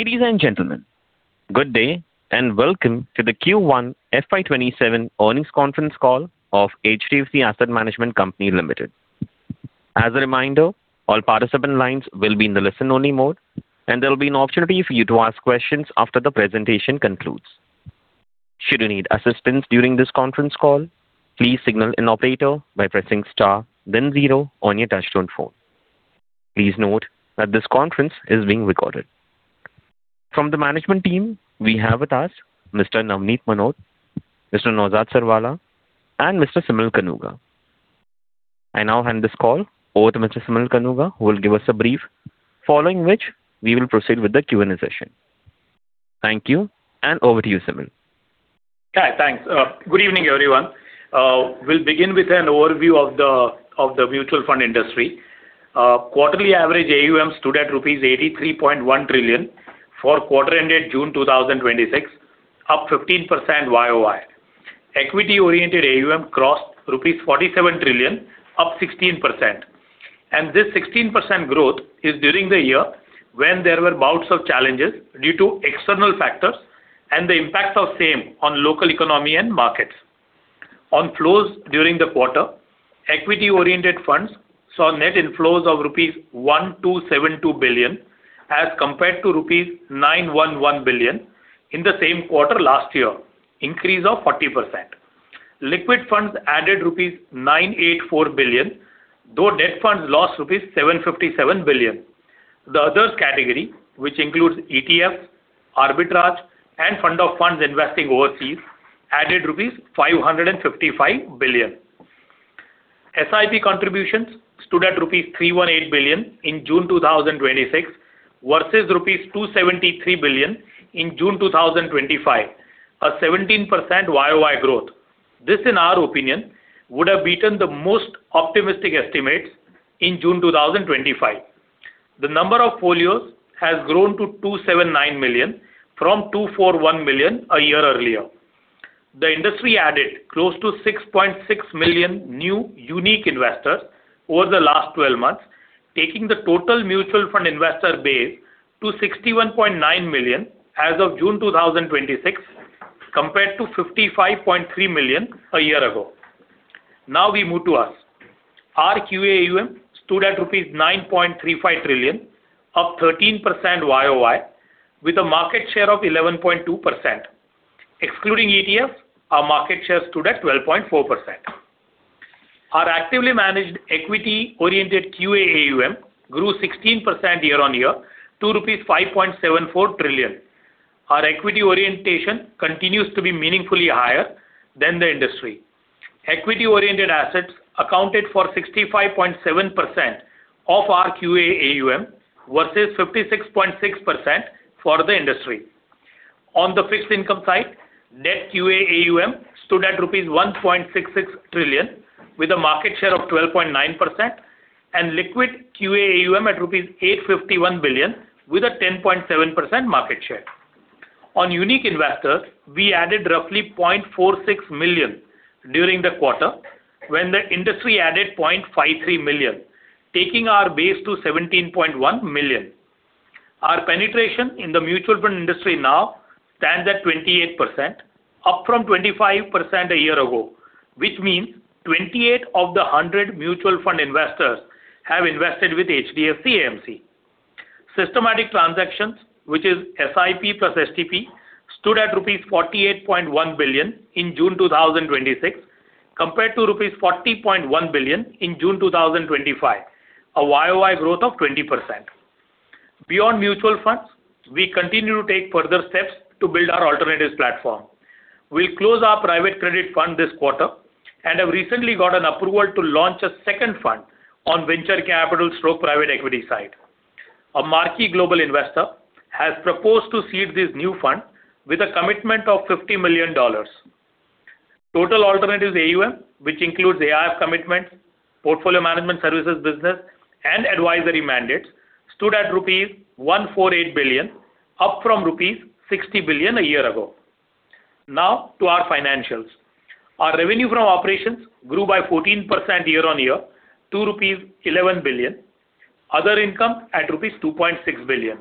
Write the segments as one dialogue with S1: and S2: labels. S1: Ladies and gentlemen, good day and welcome to the Q1 FY 2027 Earnings Conference Call of HDFC Asset Management Company Limited. As a reminder, all participant lines will be in the listen-only mode, and there will be an opportunity for you to ask questions after the presentation concludes. Should you need assistance during this conference call, please signal an operator by pressing star then zero on your touch-tone phone. Please note that this conference is being recorded. From the management team, we have with us Mr. Navneet Munot, Mr. Naozad Sirwalla, and Mr. Simal Kanuga. I now hand this call over to Mr. Simal Kanuga who will give us a brief, following which we will proceed with the Q&A session. Thank you and over to you, Simal.
S2: Hi. Thanks. Good evening, everyone. We'll begin with an overview of the mutual fund industry. Quarterly average AUM stood at rupees 83.1 trillion for the quarter ending June 2026, up 15% YoY. Equity-oriented AUM crossed rupees 47 trillion, up 16%. This 16% growth is during the year when there were bouts of challenges due to external factors and the impacts of same on local economy and markets. On flows during the quarter, equity-oriented funds saw net inflows of rupees 1,272 billion as compared to rupees 911 billion in the same quarter last year, increase of 40%. Liquid funds added rupees 984 billion, though debt funds lost rupees 757 billion. The others category, which includes ETFs, arbitrage, and fund of funds investing overseas, added rupees 555 billion. SIP contributions stood at rupees 318 billion in June 2026 versus rupees 273 billion in June 2025, a 17% YoY growth. This, in our opinion, would have beaten the most optimistic estimates in June 2025. The number of folios has grown to 279 million from 241 million a year earlier. The industry added close to 6.6 million new unique investors over the last 12 months, taking the total mutual fund investor base to 61.9 million as of June 2026, compared to 55.3 million a year ago. We move to us. Our QAUM stood at 9.35 trillion rupees, up 13% YoY, with a market share of 11.2%. Excluding ETFs, our market share stood at 12.4%. Our actively managed equity-oriented QAUM grew 16% year-on-year to rupees 5.74 trillion. Our equity orientation continues to be meaningfully higher than the industry. Equity-oriented assets accounted for 65.7% of our QAUM versus 56.6% for the industry. On the fixed income side, net QAUM stood at rupees 1.66 trillion with a market share of 12.9% and liquid QAUM at rupees 851 billion with a 10.7% market share. On unique investors, we added roughly 0.46 million during the quarter when the industry added 0.53 million, taking our base to 17.1 million. Our penetration in the mutual fund industry now stands at 28%, up from 25% a year ago, which means 28 of the 100 mutual fund investors have invested with HDFC AMC. Systematic transactions, which is SIP plus STP, stood at rupees 48.1 billion in June 2026 compared to rupees 40.1 billion in June 2025, a YoY growth of 20%. Beyond mutual funds, we continue to take further steps to build our alternatives platform. We'll close our private credit fund this quarter and have recently got an approval to launch a second fund on venture capital/private equity side. A marquee global investor has proposed to seed this new fund with a commitment of $50 million. Total alternatives AUM, which includes AIF commitments, portfolio management services business, and advisory mandates, stood at rupees 148 billion, up from rupees 60 billion a year ago. Now to our financials. Our revenue from operations grew by 14% year-on-year to rupees 11 billion, other income at rupees 2.6 billion.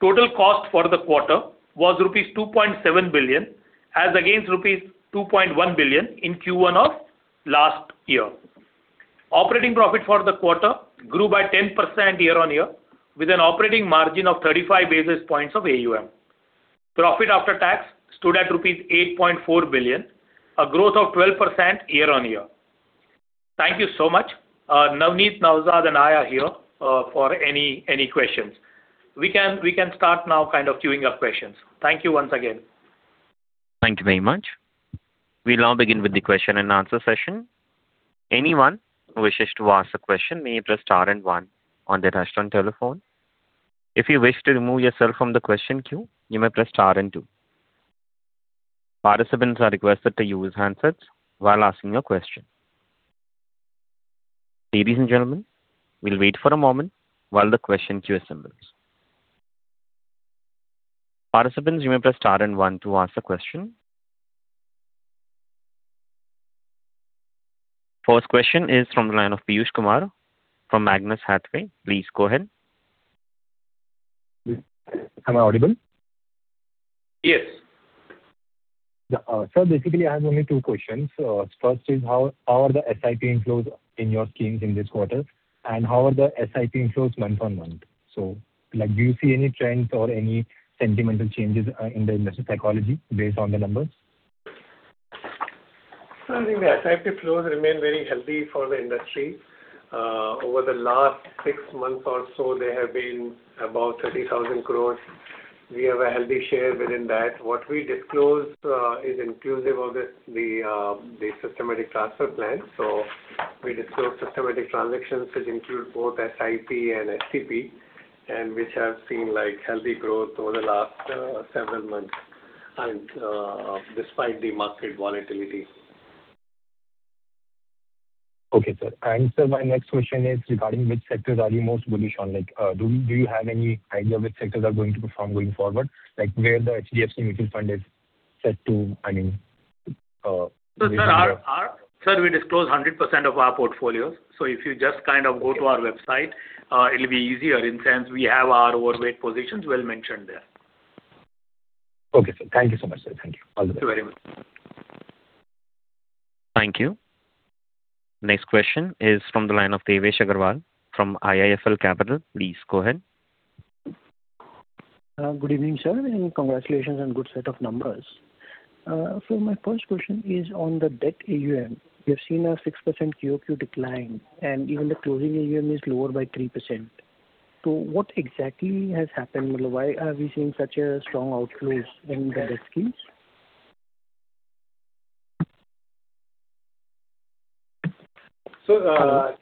S2: Total cost for the quarter was rupees 2.7 billion as against rupees 2.1 billion in Q1 of last year. Operating profit for the quarter grew by 10% year-on-year with an operating margin of 35 basis points of AUM. Profit after tax stood at 8.4 billion rupees, a growth of 12% year-on-year. Thank you so much. Navneet, Naozad, and I are here for any questions. We can start now kind of queuing up questions. Thank you once again.
S1: Thank you very much. We'll now begin with the question and answer session. Anyone who wishes to ask a question may press star and one on their touch-tone telephone. If you wish to remove yourself from the question queue, you may press star and two. Participants are requested to use handsets while asking a question. Ladies and gentlemen, we'll wait for a moment while the question queue assembles. Participants, you may press star and one to ask a question. First question is from the line of Piyush Kumar from Magnus Hathaway. Please go ahead.
S3: Am I audible?
S1: Yes.
S3: Sir, basically, I have only two questions. First is how are the SIP inflows in your schemes in this quarter, and how are the SIP inflows month-on-month? Do you see any trends or any sentimental changes in the investor psychology based on the numbers?
S4: Sir, I think the SIP inflows remain very healthy for the industry. Over the last six months or so, they have been about 30,000 crore. We have a healthy share within that. What we disclose is inclusive of the systematic transfer plan. We disclose systematic transactions, which include both SIP and STP, and which have seen healthy growth over the last several months and despite the market volatility.
S3: Okay, sir. Sir, my next question is regarding which sectors are you most bullish on. Do you have any idea which sectors are going to perform going forward? Where the HDFC Mutual Fund is set to.
S4: Sir, we disclose 100% of our portfolios. If you just go to our website it'll be easier since we have our overweight positions well mentioned there.
S3: Okay, sir. Thank you so much, sir. Thank you. All the best.
S4: Thank you very much.
S1: Thank you. Next question is from the line of Devesh Agarwal from IIFL Capital. Please go ahead.
S5: Good evening, sir. Congratulations on good set of numbers. Sir, my first question is on the debt AUM. We have seen a 6% QOQ decline, and even the closing AUM is lower by 3%. What exactly has happened? Why are we seeing such a strong outflows in the debt schemes?
S4: Sir,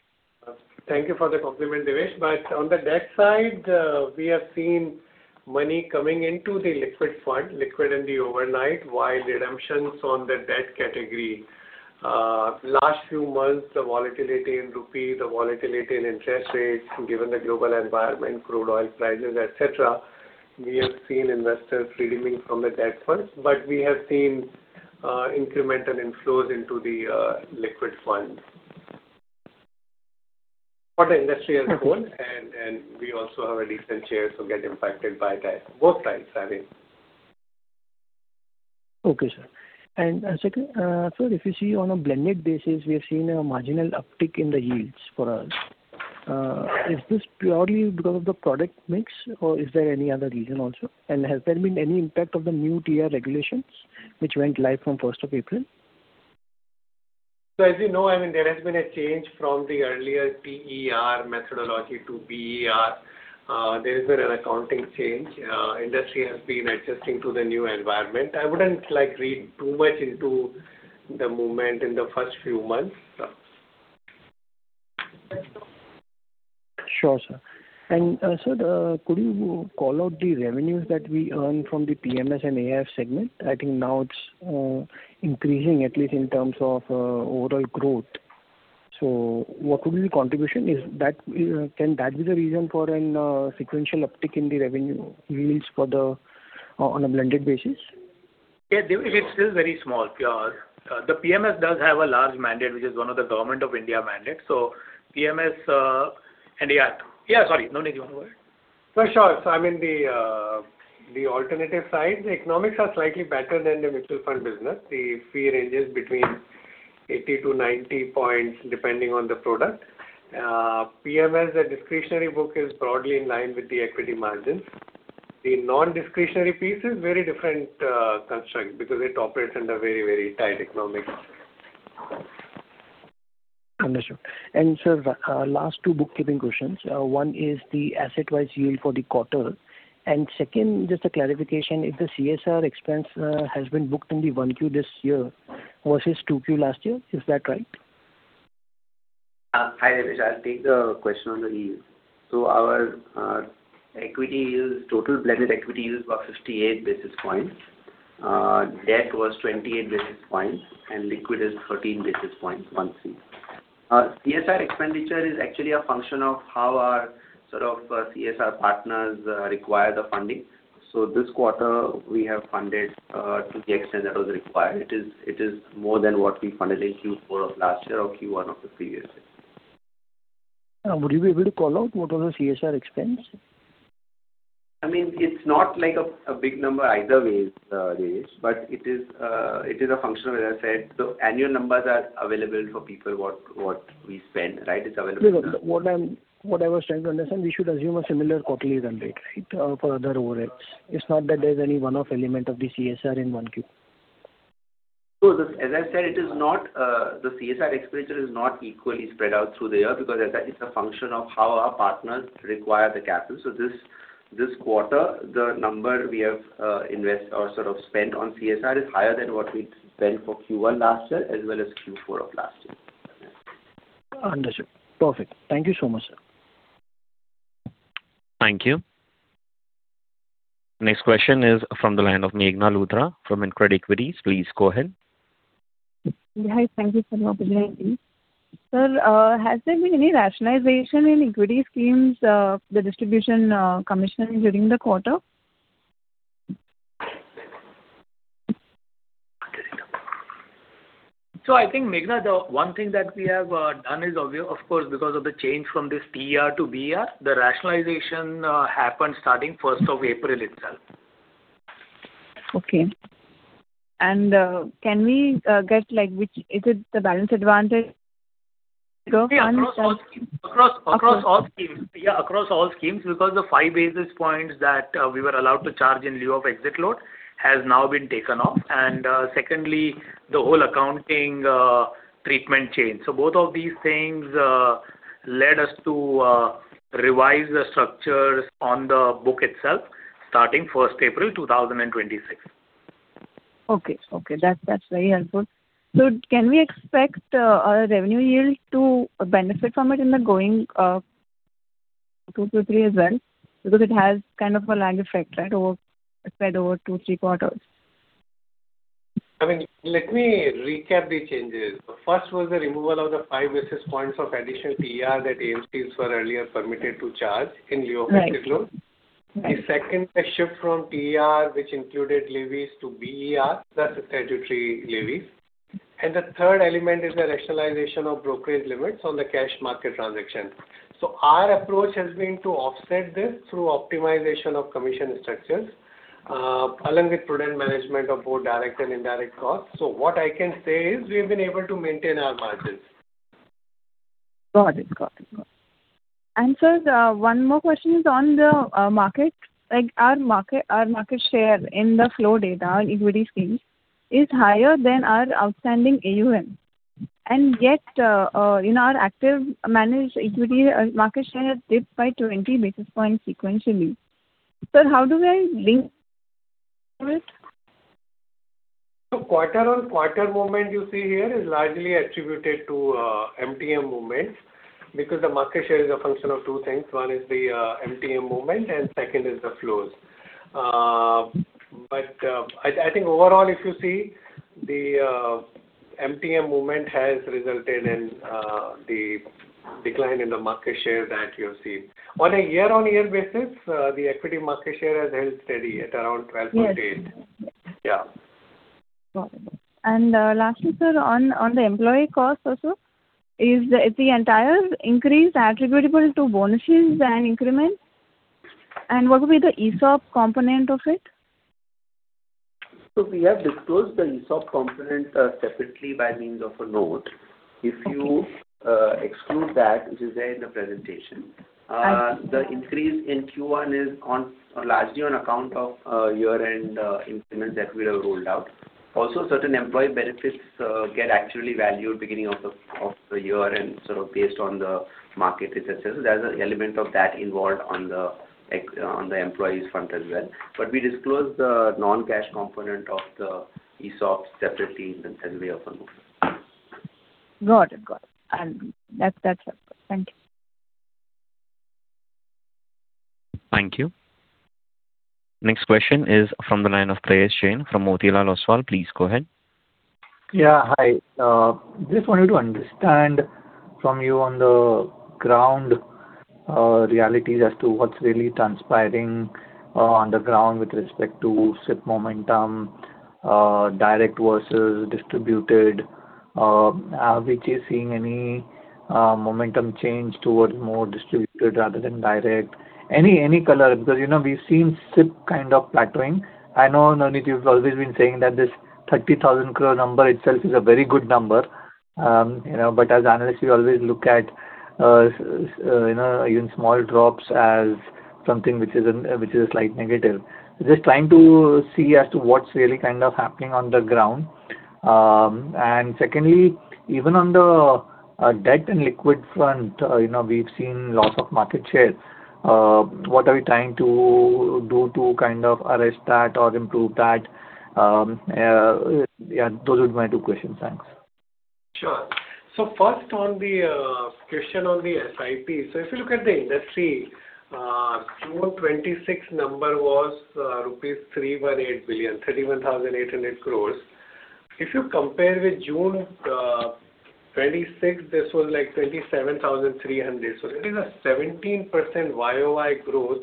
S4: thank you for the compliment, Devesh, on the debt side, we have seen money coming into the liquid fund, liquid and the overnight, while redemptions on the debt category. Last few months, the volatility in INR, the volatility in interest rates, given the global environment, crude oil prices, et cetera, we have seen investors redeeming from the debt funds. We have seen incremental inflows into the liquid fund for the industry as a whole, and we also have a decent share to get impacted by that. Both sides.
S5: Okay, sir. Second, sir, if you see on a blended basis, we have seen a marginal uptick in the yields for us. Is this purely because of the product mix or is there any other reason also? Has there been any impact of the new TER regulations which went live from 1st of April?
S4: As you know, there has been a change from the earlier PER methodology to BER. There has been an accounting change. Industry has been adjusting to the new environment. I wouldn't read too much into the movement in the first few months.
S5: Sure, sir. Sir, could you call out the revenues that we earn from the PMS and AIF segment? I think now it's increasing, at least in terms of overall growth. What would be the contribution? Can that be the reason for a sequential uptick in the revenue yields on a blended basis?
S4: Devesh, it's still very small. The PMS does have a large mandate, which is one of the government of India mandates. PMS and AIF. Sorry. Naozad, you want to go ahead?
S6: Sure. The alternative side, the economics are slightly better than the mutual fund business. The fee ranges between 80-90 points, depending on the product. PMS, the discretionary book is broadly in line with the equity margins. The non-discretionary piece is very different construct because it operates under very tight economics.
S5: Understood. Sir, last two bookkeeping questions. One is the asset-wise yield for the quarter. Second, just a clarification, if the CSR expense has been booked in the Q1 this year versus Q2 last year, is that right?
S6: Hi, Devesh. I'll take the question on the yield. Our total blended equity yield was 58 basis points. Debt was 28 basis points, and liquid is 13 basis points, 13. CSR expenditure is actually a function of how our CSR partners require the funding. This quarter, we have funded to the extent that was required. It is more than what we funded in Q4 of last year or Q1 of the previous year.
S5: Would you be able to call out what was the CSR expense?
S6: It's not like a big number either ways, Devesh, but it is a function of, as I said, the annual numbers are available for people what we spend.
S5: No, what I was trying to understand, we should assume a similar quarterly run rate for other overheads. It's not that there's any one-off element of the CSR in Q1.
S6: As I said, the CSR expenditure is not equally spread out through the year because it's a function of how our partners require the capital. This quarter, the number we have spent on CSR is higher than what we'd spent for Q1 last year, as well as Q4 of last year.
S5: Understood. Perfect. Thank you so much, sir.
S1: Thank you. Next question is from the line of Meghna Luthra from InCred Equities. Please go ahead.
S7: Hi. Thank you for the opportunity. Sir, has there been any rationalization in equity schemes, the distribution commissioning during the quarter?
S4: I think, Meghna, the one thing that we have done is, of course, because of the change from this TER to BER, the rationalization happened starting 1st of April itself.
S7: Okay. Can we get which Is it the Balanced Advantage?
S4: Across all schemes. The five basis points that we were allowed to charge in lieu of exit load has now been taken off. Secondly, the whole accounting treatment change. Both of these things led us to revise the structures on the book itself starting 1st April 2026.
S7: Okay. That's very helpful. Can we expect our revenue yield to benefit from it in the going two to three as well? It has kind of a lag effect, right? Spread over two, three quarters.
S4: I mean, let me recap the changes. First was the removal of the five basis points of additional TER that AMCs were earlier permitted to charge in lieu of exit load.
S7: Right.
S4: The second, a shift from TER, which included levies to BER, that's the statutory levies. The third element is the rationalization of brokerage limits on the cash market transactions. Our approach has been to offset this through optimization of commission structures, along with prudent management of both direct and indirect costs. What I can say is we've been able to maintain our margins.
S7: Got it. Sir, one more question is on the market. Our market share in the flow data on equity schemes is higher than our outstanding AUM. Yet, in our active managed equity, our market share has dipped by 20 basis points sequentially. Sir, how do I link to it?
S4: Quarter-on-quarter movement you see here is largely attributed to MTM movements because the market share is a function of two things. One is the MTM movement and two is the flows. I think overall, if you see, the MTM movement has resulted in the decline in the market share that you're seeing. On a year-on-year basis, the equity market share has held steady at around 12.8.
S7: Yes.
S4: Yeah.
S7: Got it. Lastly, sir, on the employee cost also, is the entire increase attributable to bonuses and increments? What would be the ESOP component of it?
S6: We have disclosed the ESOP component separately by means of a note.
S7: Okay.
S6: If you exclude that, which is there in the presentation.
S7: Thank you
S6: The increase in Q1 is largely on account of year-end increments that we have rolled out. Also, certain employee benefits get actually valued beginning of the year and sort of based on the market itself. There's an element of that involved on the employees front as well. We disclose the non-cash component of the ESOP separately in the way of a note.
S7: Got it. That's helpful. Thank you.
S1: Thank you. Next question is from the line of Prayesh Jain from Motilal Oswal. Please go ahead.
S8: Hi. Just wanted to understand from you on the ground realities as to what's really transpiring on the ground with respect to SIP momentum, direct versus distributed. Are we chasing any momentum change towards more distributed rather than direct? Any color, because we've seen SIP kind of plateauing. I know, Navneet, you've always been saying that this 30,000 crore number itself is a very good number. As analysts, we always look at even small drops as something which is a slight negative. Just trying to see as to what's really kind of happening on the ground. Secondly, even on the debt and liquid front, we've seen loss of market share. What are we trying to do to kind of arrest that or improve that? Those were my two questions. Thanks.
S4: Sure. First on the question on the SIP. If you look at the industry, June 2026 number was rupees 318 billion, 31,800 crore. If you compare with June 2026, this was like 27,300 crore. It is a 17% YoY growth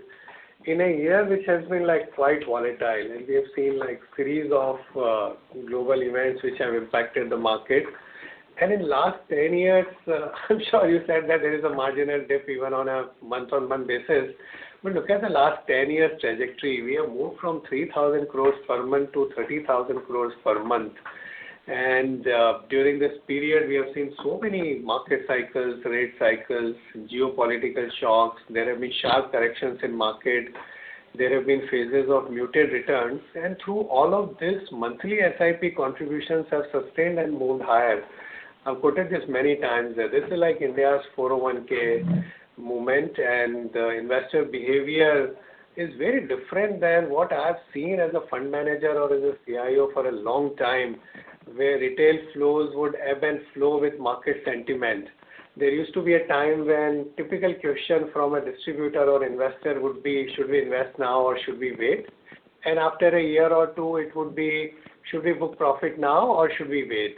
S4: in a year which has been quite volatile. We have seen series of global events which have impacted the market. In last 10 years, I'm sure you said that there is a marginal dip even on a month-on-month basis. Look at the last 10 years trajectory. We have moved from 3,000 crore per month to 30,000 crore per month. During this period, we have seen so many market cycles, rate cycles, geopolitical shocks. There have been sharp corrections in market. There have been phases of muted returns. Through all of this, monthly SIP contributions have sustained and moved higher. I've quoted this many times that this is like India's 401 movement and investor behavior is very different than what I've seen as a fund manager or as a CIO for a long time, where retail flows would ebb and flow with market sentiment. There used to be a time when typical question from a distributor or investor would be, "Should we invest now or should we wait?" After a year or two, it would be, "Should we book profit now or should we wait?"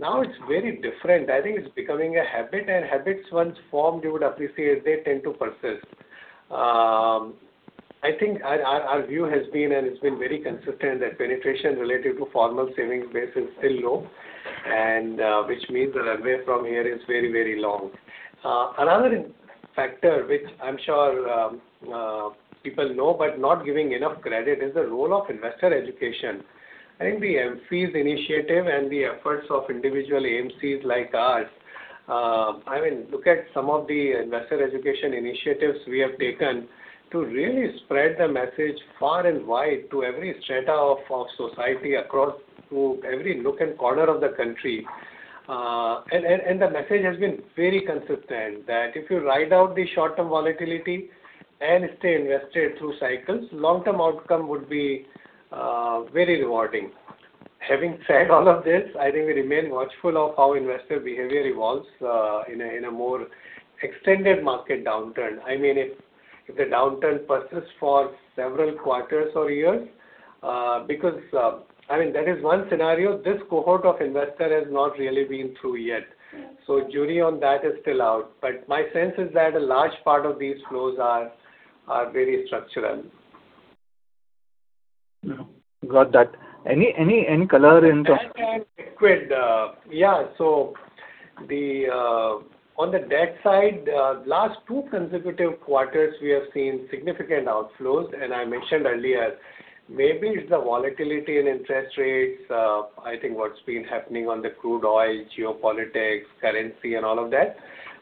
S4: It's very different. I think it's becoming a habit, and habits once formed, you would appreciate they tend to persist. I think our view has been, and it's been very consistent, that penetration related to formal savings base is still low, which means the runway from here is very long. Another factor which I'm sure people know but not giving enough credit is the role of investor education and the AMFI's initiative and the efforts of individual AMCs like ours. Look at some of the investor education initiatives we have taken to really spread the message far and wide to every strata of society, across to every nook and corner of the country. The message has been very consistent, that if you ride out the short-term volatility and stay invested through cycles, long-term outcome would be very rewarding. Having said all of this, I think we remain watchful of how investor behavior evolves in a more extended market downturn. If the downturn persists for several quarters or years, because that is one scenario this cohort of investor has not really been through yet. Jury on that is still out. My sense is that a large part of these flows are very structural.
S8: Got that. Any color into-
S4: Liquid. Yeah. On the debt side, last two consecutive quarters, we have seen significant outflows. I mentioned earlier, maybe it's the volatility in interest rates. I think what's been happening on the crude oil, geopolitics, currency and all of that.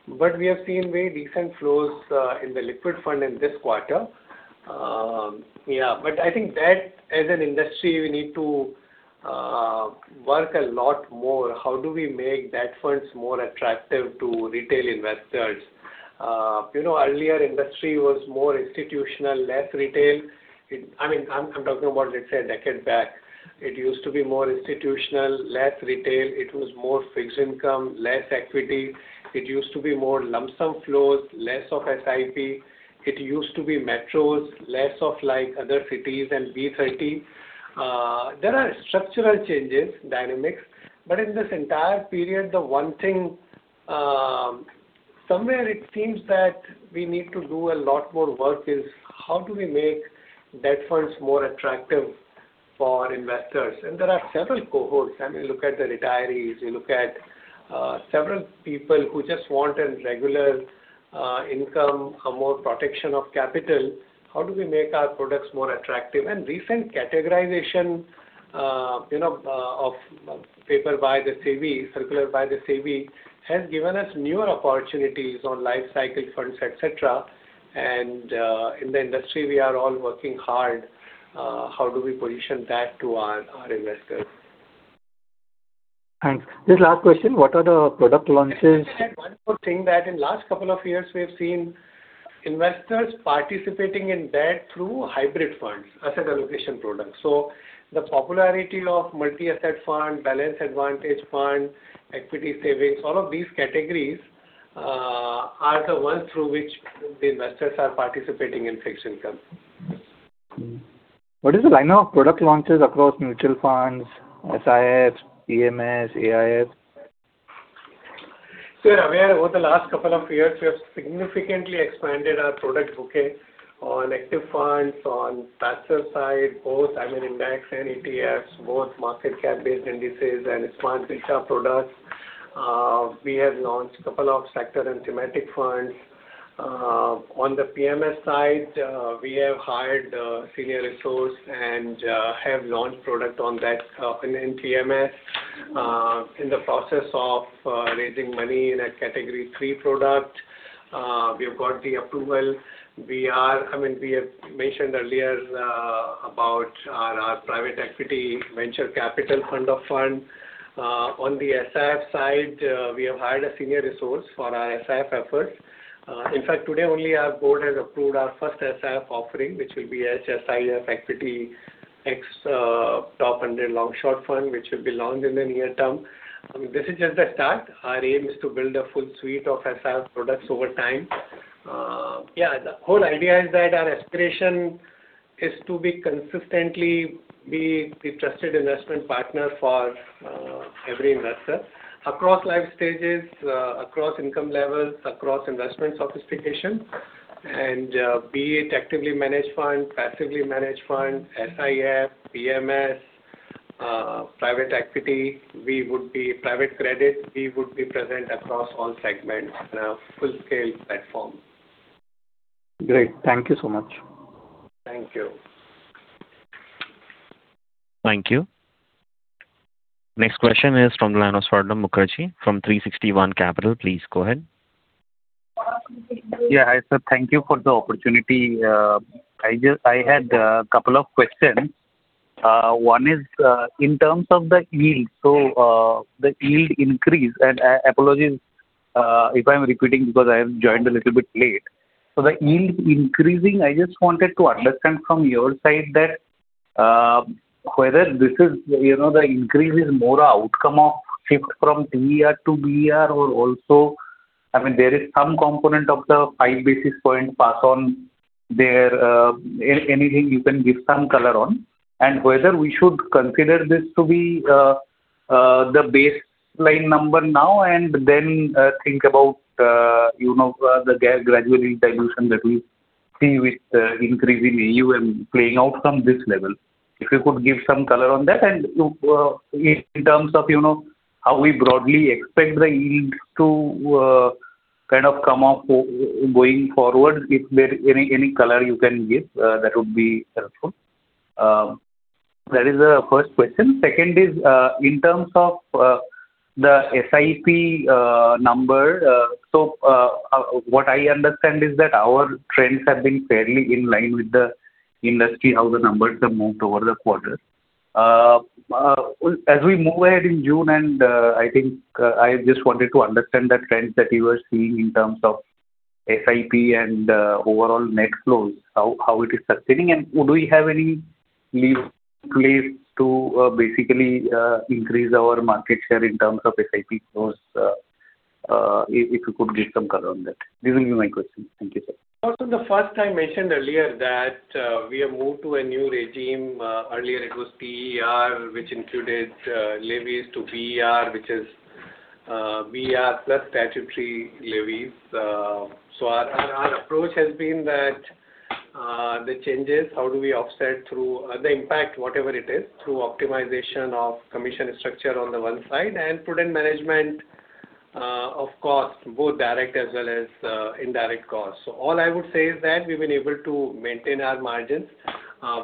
S4: We have seen very decent flows in the liquid fund in this quarter. I think that as an industry, we need to work a lot more. How do we make debt funds more attractive to retail investors? Earlier, industry was more institutional, less retail. I am talking about, let's say, a decade back. It used to be more institutional, less retail. It was more fixed income, less equity. It used to be more lump sum flows, less of SIP. It used to be metros, less of other cities and B30. There are structural changes, dynamics. In this entire period, the one thing, somewhere it seems that we need to do a lot more work is how do we make debt funds more attractive for investors? There are several cohorts. Look at the retirees. You look at several people who just want a regular income or more protection of capital. How do we make our products more attractive? Recent categorization of paper by the SEBI, circular by the SEBI, has given us newer opportunities on life cycle funds, et cetera. In the industry, we are all working hard. How do we position that to our investors?
S8: Thanks. Just last question. What are the product launches?
S4: If I can add one more thing, that in last couple of years, we have seen investors participating in debt through hybrid funds, asset allocation products. The popularity of Multi-Asset Fund, Balanced Advantage Fund, Equity Savings, all of these categories are the ones through which the investors are participating in fixed income.
S8: What is the lineup product launches across mutual funds, SIF, PMS, AIF?
S4: Sir, over the last couple of years, we have significantly expanded our product bouquet on active funds, on passive side, both index and ETFs, both market cap-based indices and smart beta products. We have launched a couple of sector and thematic funds. On the PMS side, we have hired a senior resource and have launched product on that in PMS. In the process of raising money in a category 3 product. We have got the approval. We have mentioned earlier about our private equity venture capital fund of funds. On the SIF side, we have hired a senior resource for our SIF efforts. In fact, today only our board has approved our first SIF offering, which will be a SIF equity ex-top 100 long-short fund, which will be launched in the near term. This is just the start. Our aim is to build a full suite of SIF products over time. The whole idea is that our aspiration is to be consistently be the trusted investment partner for every investor across life stages, across income levels, across investment sophistication. Be it actively managed fund, passively managed fund, SIF, PMS, private equity, private credit, we would be present across all segments on a full-scale platform.
S8: Great. Thank you so much.
S4: Thank you.
S1: Thank you. Next question is from the line of Swarnabha Mukherjee from 360 ONE. Please go ahead.
S9: Hi, sir. Thank you for the opportunity. I had a couple of questions. One is in terms of the yield. The yield increase, and apologies if I'm repeating because I have joined a little bit late. The yield increasing, I just wanted to understand from your side that whether the increase is more an outcome of shift from TER to BER or also there is some component of the five basis point pass on there. Anything you can give some color on? And whether we should consider this to be the baseline number now and then think about the gradually dilution that we see with increasing AUM playing out from this level. If you could give some color on that and in terms of how we broadly expect the yields to kind of come up going forward, if there any color you can give that would be helpful. That is the first question. Second is, in terms of the SIP number. What I understand is that our trends have been fairly in line with the industry, how the numbers have moved over the quarter. As we move ahead in June, I think I just wanted to understand the trends that you are seeing in terms of SIP and overall net flows, how it is succeeding and do we have any leads in place to basically increase our market share in terms of SIP flows, if you could give some color on that. These will be my questions. Thank you, sir.
S4: The first I mentioned earlier that we have moved to a new regime. Earlier it was PER, which included levies to BER, which is BER plus statutory levies. Our approach has been that the changes, how do we offset through the impact, whatever it is, through optimization of commission structure on the one side and prudent management of cost, both direct as well as indirect costs. All I would say is that we've been able to maintain our margins.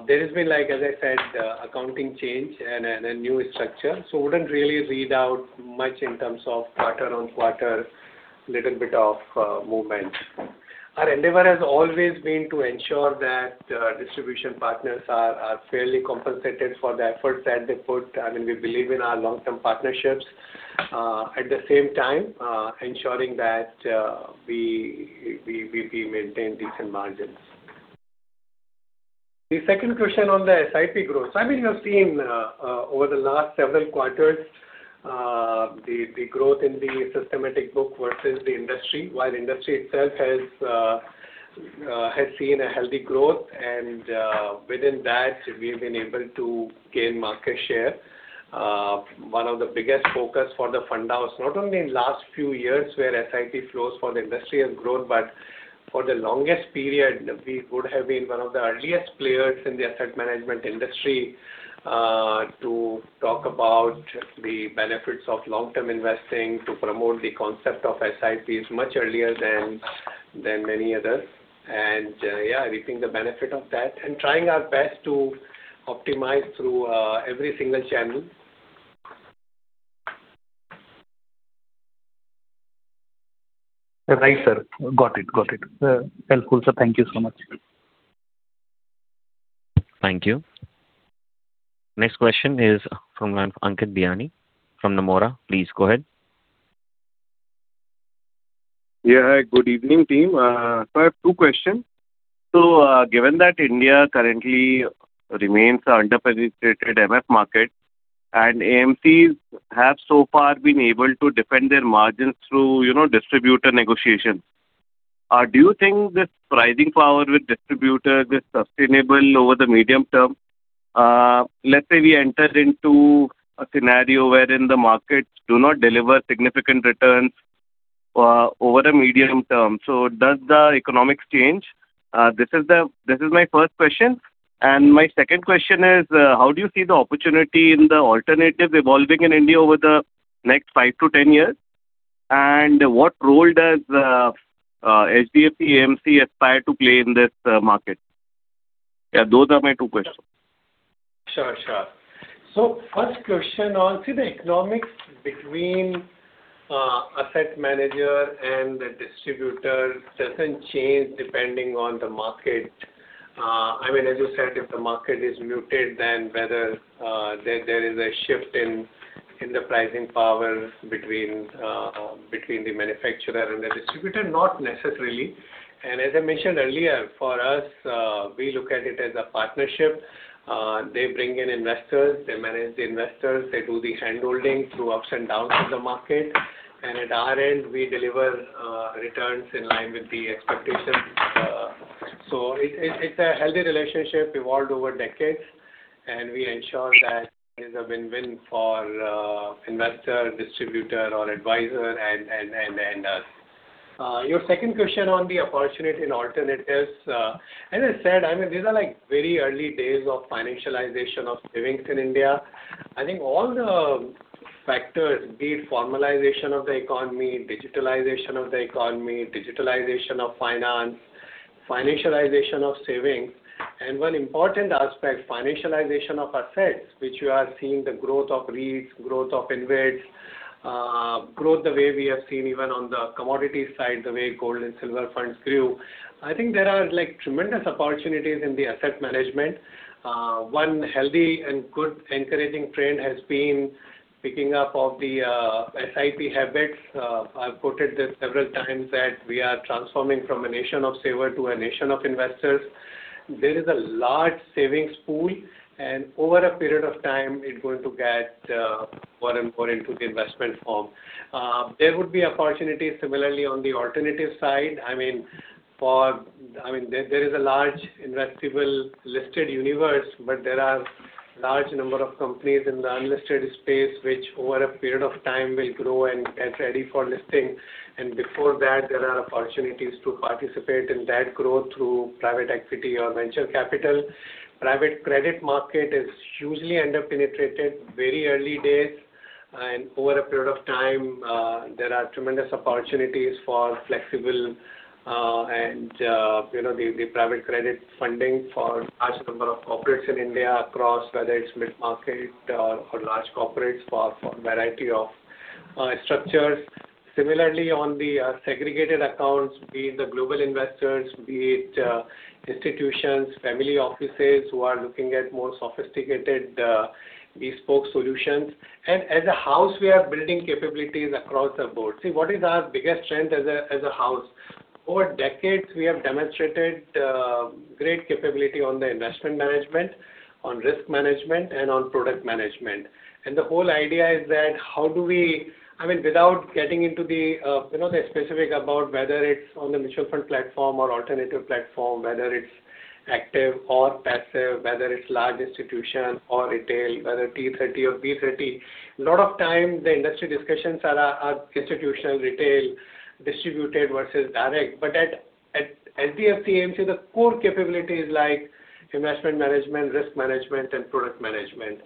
S4: There has been, as I said, accounting change and a new structure. Wouldn't really read out much in terms of quarter on quarter little bit of movement. Our endeavor has always been to ensure that distribution partners are fairly compensated for the efforts that they put. I mean, we believe in our long-term partnerships. At the same time, ensuring that we maintain decent margins. The second question on the SIP growth. I mean, you have seen over the last several quarters, the growth in the systematic book versus the industry, while the industry itself has seen a healthy growth and within that, we've been able to gain market share. One of the biggest focus for the fund was not only in last few years where SIP flows for the industry has grown, but for the longest period, we would have been one of the earliest players in the asset management industry to talk about the benefits of long-term investing, to promote the concept of SIPs much earlier than many others, reaping the benefit of that and trying our best to optimize through every single channel.
S9: Right, sir. Got it. Helpful, sir. Thank you so much.
S1: Thank you. Next question is from Ankit Bihani from Nomura. Please go ahead.
S10: Yeah. Good evening, team. I have two questions. Given that India currently remains an underpenetrated MF market and AMCs have so far been able to defend their margins through distributor negotiation. Do you think this pricing power with distributors is sustainable over the medium term? Let's say we enter into a scenario wherein the markets do not deliver significant returns over a medium term. Does the economics change? This is my first question. My second question is, how do you see the opportunity in the alternatives evolving in India over the next five to 10 years? What role does HDFC AMC aspire to play in this market? Yeah, those are my two questions.
S4: Sure. First question on, see, the economics between asset manager and the distributor doesn't change depending on the market. I mean, as you said, if the market is muted, then whether there is a shift in the pricing power between the manufacturer and the distributor, not necessarily. As I mentioned earlier, for us, we look at it as a partnership. They bring in investors, they manage the investors, they do the handholding through ups and downs of the market. At our end, we deliver returns in line with the expectation. It's a healthy relationship evolved over decades, and we ensure that it is a win-win for investor, distributor or advisor and us. Your second question on the opportunity in alternatives. As I said, these are very early days of financialization of savings in India. I think all the factors, be it formalization of the economy, digitalization of the economy, digitalization of finance, financialization of savings, and one important aspect, financialization of assets, which you are seeing the growth of REITs, growth of InvITs, growth the way we have seen even on the commodity side, the way gold and silver funds grew. I think there are tremendous opportunities in the asset management. One healthy and good encouraging trend has been picking up of the SIP habits. I've quoted this several times that we are transforming from a nation of saver to a nation of investors. There is a large savings pool and over a period of time, it's going to get more and more into the investment form. There would be opportunities similarly on the alternative side. There is a large investable listed universe, but there are large number of companies in the unlisted space, which over a period of time will grow and get ready for listing. Before that, there are opportunities to participate in that growth through private equity or venture capital. Private credit market is hugely under-penetrated, very early days. Over a period of time, there are tremendous opportunities for flexible and the private credit funding for large number of corporates in India across, whether it's mid-market or large corporates for a variety of structures. Similarly, on the segregated accounts, be it the global investors, be it institutions, family offices who are looking at more sophisticated bespoke solutions. As a house, we are building capabilities across the board. See, what is our biggest strength as a house? Over decades, we have demonstrated great capability on the investment management, on risk management, and on product management. The whole idea is that without getting into the specifics about whether it's on the mutual fund platform or alternative platform, whether it's active or passive, whether it's large institution or retail, whether T30 or B30. A lot of time the industry discussions are institutional, retail, distributed versus direct, but at HDFC AMC, the core capability is investment management, risk management, and product management.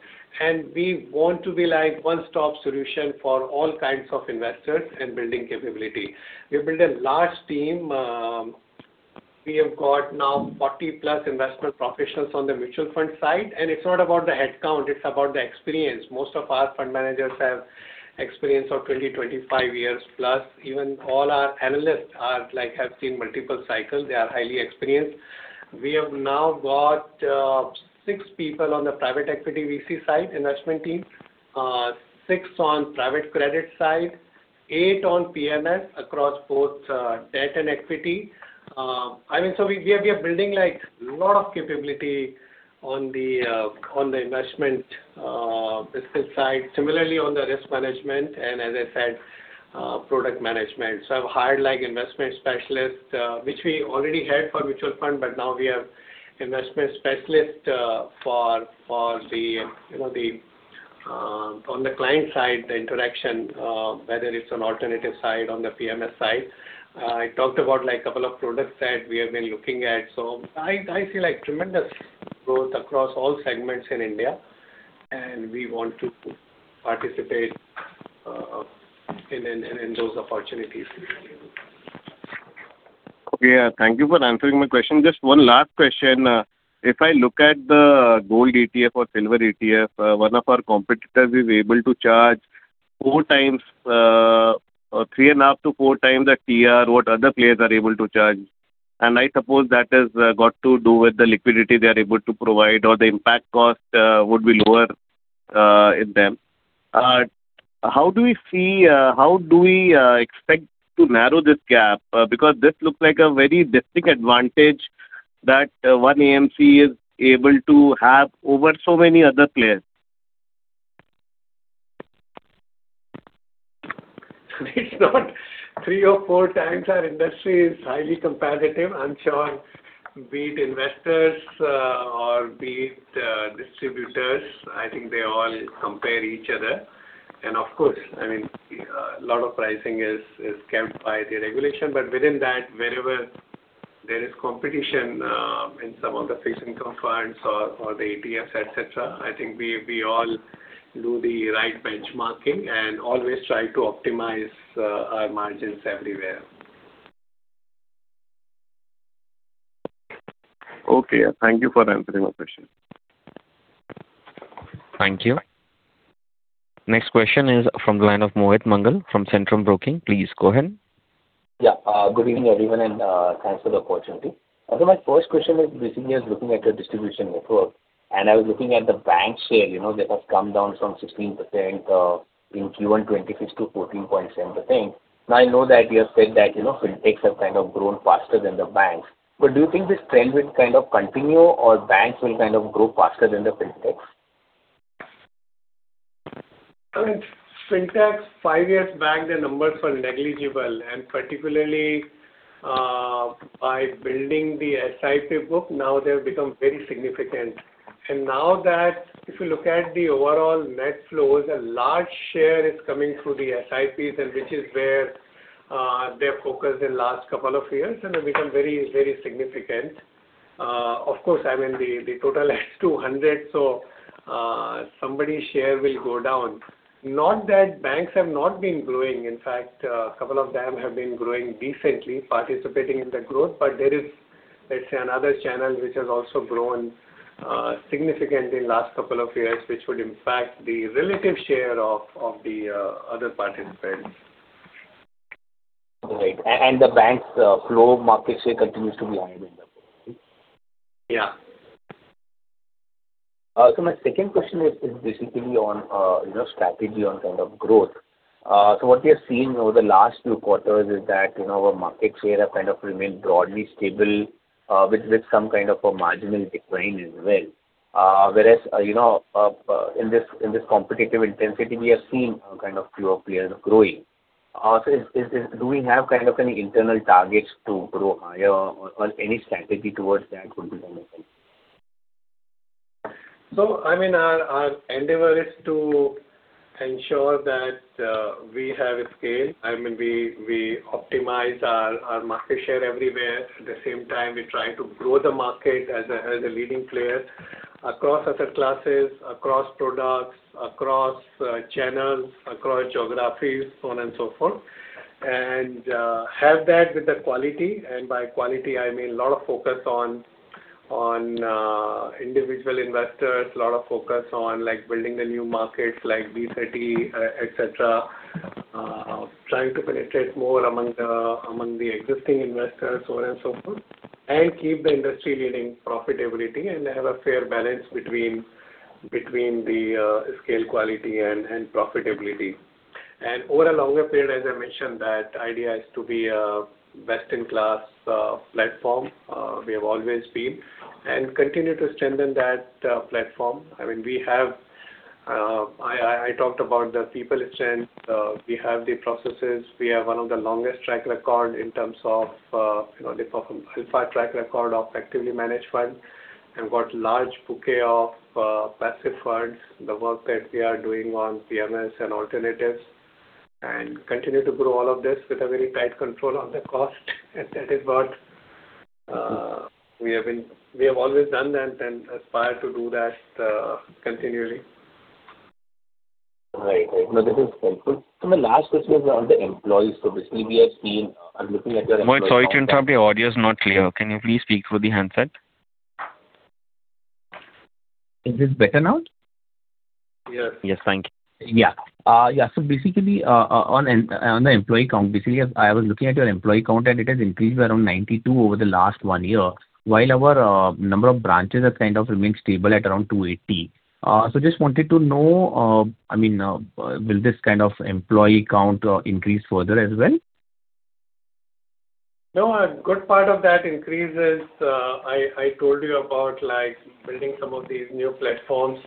S4: We want to be like one-stop solution for all kinds of investors and building capability. We've built a large team. We have got now 40+ investment professionals on the mutual fund side. It's not about the headcount, it's about the experience. Most of our fund managers have experience of 20 years-25 years plus. Even all our analysts have seen multiple cycles. They are highly experienced. We have now got six people on the private equity VC side, investment team. Six on private credit side, eight on PMS across both debt and equity. We are building lot of capability on the investment business side. Similarly, on the risk management and as I said, product management. I've hired investment specialists, which we already had for mutual fund, but now we have investment specialist on the client side, the interaction, whether it's on alternative side, on the PMS side. I talked about couple of products that we have been looking at. I see tremendous growth across all segments in India, and we want to participate in those opportunities.
S10: Okay. Thank you for answering my question. Just one last question. If I look at the gold ETF or silver ETF, one of our competitors is able to charge three and a half to four times the TER what other players are able to charge. I suppose that has got to do with the liquidity they are able to provide or the impact cost would be lower in them. How do we expect to narrow this gap? Because this looks like a very distinct advantage that one AMC is able to have over so many other players.
S4: It's not three or four times. Our industry is highly competitive. I'm sure be it investors or be it distributors, I think they all compare each other. Of course, a lot of pricing is capped by the regulation. Within that, wherever there is competition in some of the fixed income funds or the ETFs, et cetera, I think we all do the right benchmarking and always try to optimize our margins everywhere.
S10: Okay. Thank you for answering my question.
S1: Thank you. Next question is from the line of Mohit Mangal from Centrum Broking. Please go ahead.
S11: Yeah. Good evening, everyone, and thanks for the opportunity. Sir, my first question is basically looking at your distribution network. I was looking at the bank share. That has come down from 16% in Q1 2026 to 14.7%. Now, I know that you have said that FinTechs have grown faster than the banks. Do you think this trend will continue or banks will grow faster than the FinTechs?
S4: FinTechs, five years back, their numbers were negligible. Particularly, by building the SIP book, now they've become very significant. Now that if you look at the overall net flows, a large share is coming through the SIPs and which is where they have focused in last couple of years and have become very significant. Of course, the total is 200, so somebody's share will go down. Not that banks have not been growing. In fact, a couple of them have been growing decently, participating in the growth. There is, let's say, another channel which has also grown significantly in last couple of years, which would impact the relative share of the other participants.
S11: All right. The banks' flow market share continues to be high in the book?
S4: Yeah.
S11: My second question is basically on strategy on growth. What we have seen over the last few quarters is that our market share have remained broadly stable, with some kind of a marginal decline as well. Whereas, in this competitive intensity, we have seen a few players growing. Also, do we have kind of an internal target to grow higher or any strategy towards that would be wonderful.
S4: Our endeavor is to ensure that we have a scale. We optimize our market share everywhere. At the same time, we try to grow the market as a leading player across asset classes, across products, across channels, across geographies, so on and so forth. Have that with the quality, and by quality, I mean a lot of focus on individual investors, a lot of focus on building the new markets like B30, et cetera. Trying to penetrate more among the existing investors, so on and so forth, and keep the industry-leading profitability and have a fair balance between the scale quality and profitability. Over a longer period, as I mentioned, the idea is to be a best-in-class platform. We have always been and continue to strengthen that platform. I talked about the people strength. We have the processes. We have one of the longest track record in terms of the proper qualified track record of actively managed fund and got large bouquet of passive funds, the work that we are doing on PMS and alternatives, and continue to grow all of this with a very tight control on the cost. That is what we have always done and aspire to do that continually.
S11: Right. No, this is helpful. My last question is on the employees. Basically, I'm looking at their employee count-
S1: Mohit, sorry to interrupt, your audio's not clear. Can you please speak through the handset?
S11: Is this better now?
S1: Yes, thank you.
S11: Yeah. Basically, on the employee count, I was looking at your employee count, it has increased by around 92 over the last one year, while our number of branches are kind of remain stable at around 280. Just wanted to know, will this kind of employee count increase further as well?
S4: No. A good part of that increase is, I told you about building some of these new platforms,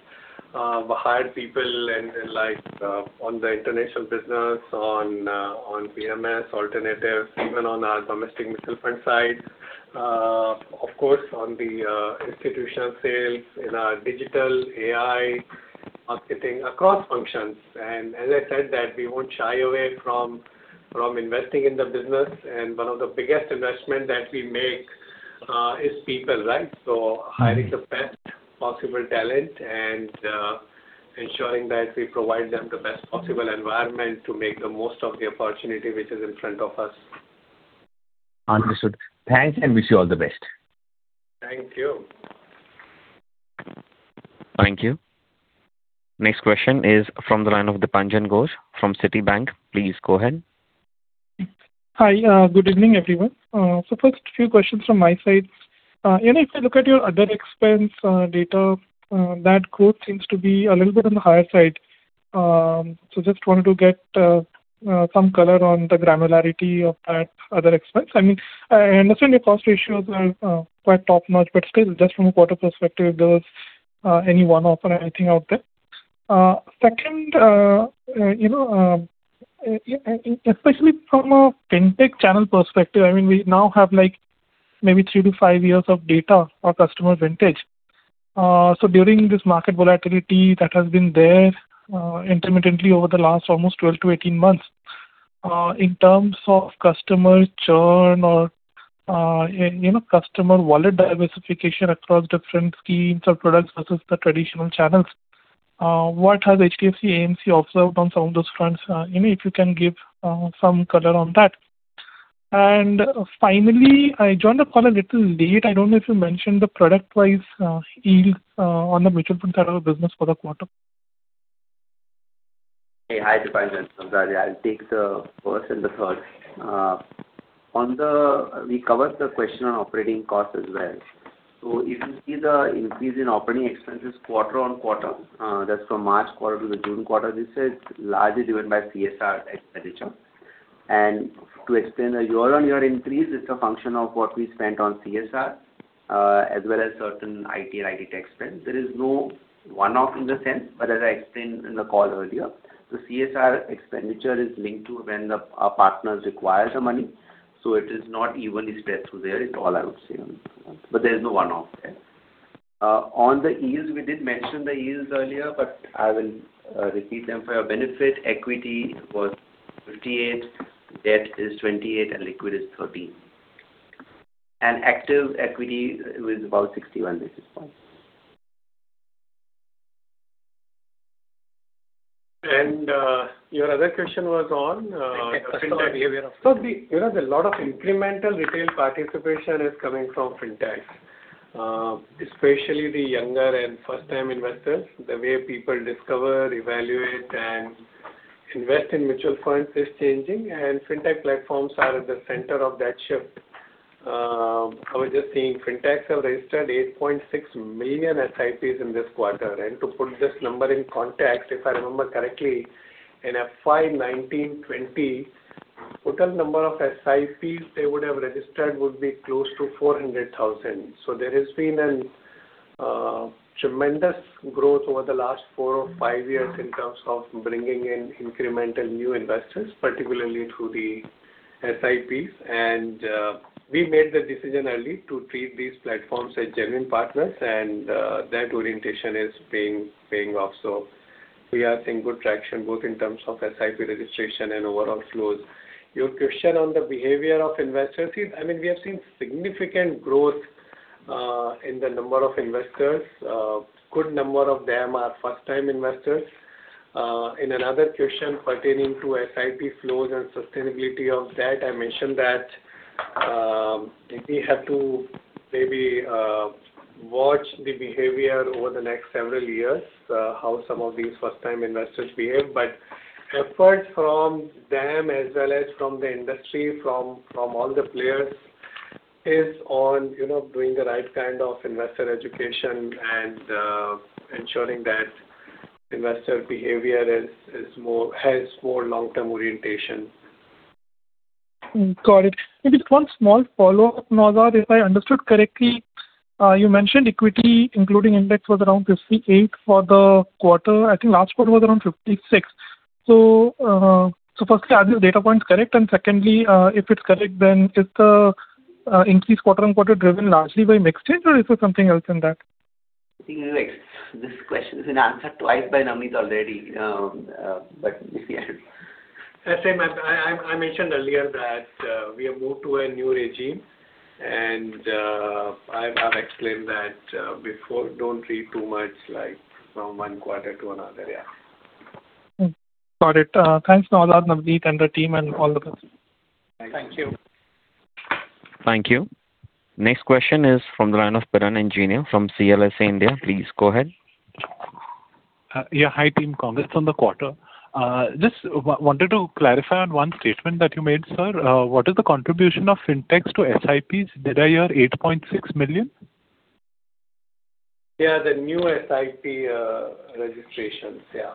S4: hired people on the international business, on PMS alternatives, even on our domestic mutual fund side. Of course, on the institutional sales, in our digital AI marketing, across functions. As I said that we won't shy away from investing in the business and one of the biggest investment that we make is people, right? Hiring the best possible talent and ensuring that we provide them the best possible environment to make the most of the opportunity which is in front of us.
S11: Understood. Thanks, wish you all the best.
S4: Thank you.
S1: Thank you. Next question is from the line of Dipanjan Ghosh from Citibank. Please go ahead.
S12: Hi. Good evening, everyone. First, few questions from my side. If you look at your other expense data, that growth seems to be a little bit on the higher side. Just wanted to get some color on the granularity of that other expense. I understand your cost ratios are quite top-notch, but still, just from a quarter perspective, if there's any one-off or anything out there. Second, especially from a fintech channel perspective, we now have maybe three to five years of data for customer vintage. During this market volatility that has been there intermittently over the last almost 12-18 months, in terms of customer churn or customer wallet diversification across different schemes or products versus the traditional channels, what has HDFC AMC observed on some of those fronts? If you can give some color on that. Finally, I joined the call a little late. I don't know if you mentioned the product-wise yield on the mutual fund side of the business for the quarter.
S13: Hey, hi, Dipanjan. It's Sanjay. I'll take the first and the third. We covered the question on operating costs as well. If you see the increase in operating expenses quarter-on-quarter, that's from March quarter to the June quarter, this is largely driven by CSR expenditure. To explain the year-on-year increase, it's a function of what we spent on CSR as well as certain IT and IT tech spend. There is no one-off in the sense, as I explained in the call earlier, the CSR expenditure is linked to when our partners require the money, so it is not evenly spread through there is all I would say on that. There's no one-off there. On the yields, we did mention the yields earlier, I will repeat them for your benefit. Equity was 58 basis points, debt is 28 basis points, and liquid is 13 basis points and active equity was about 61 basis points.
S4: Your other question was on.
S13: Fintech behavior.
S4: there's a lot of incremental retail participation is coming from Fintechs, especially the younger and first-time investors. The way people discover, evaluate, and invest in mutual funds is changing, and Fintech platforms are at the center of that shift. I was just seeing Fintechs have registered 8.6 million SIPs in this quarter. To put this number in context, if I remember correctly, in FY 1920 Total number of SIPs they would have registered would be close to 400,000. there has been a tremendous growth over the last four or five years in terms of bringing in incremental new investors, particularly through the SIPs. we made the decision early to treat these platforms as genuine partners, and that orientation is paying off. we are seeing good traction, both in terms of SIP registration and overall flows. Your question on the behavior of investors is, we have seen significant growth, in the number of investors. Good number of them are first-time investors. In another question pertaining to SIP flows and sustainability of that, I mentioned that, we have to maybe watch the behavior over the next several years, how some of these first-time investors behave. Effort from them as well as from the industry, from all the players is on doing the right kind of investor education and ensuring that investor behavior has more long-term orientation.
S12: Got it. Just one small follow-up, Naozad. If I understood correctly, you mentioned equity, including index, was around 58 for the quarter. I think last quarter was around 56. Firstly, are these data points correct? Secondly, if it's correct, then is the increase quarter-on-quarter driven largely by mix change or is there something else in that?
S6: I think this question has been answered twice by Navneet already.
S4: I mentioned earlier that we have moved to a new regime. I've explained that before. Don't read too much from one quarter to another, yeah.
S12: Got it. Thanks, Naozad, Navneet, and the team and all of us.
S4: Thank you.
S6: Thank you.
S1: Thank you. Next question is from the line of Piran Engineer from CLSA India. Please go ahead.
S14: Yeah. Hi, team. Congrats on the quarter. Just wanted to clarify on one statement that you made, sir. What is the contribution of fintechs to SIPs? Did I hear 8.6 million?
S4: Yeah, the new SIP registrations. Yeah.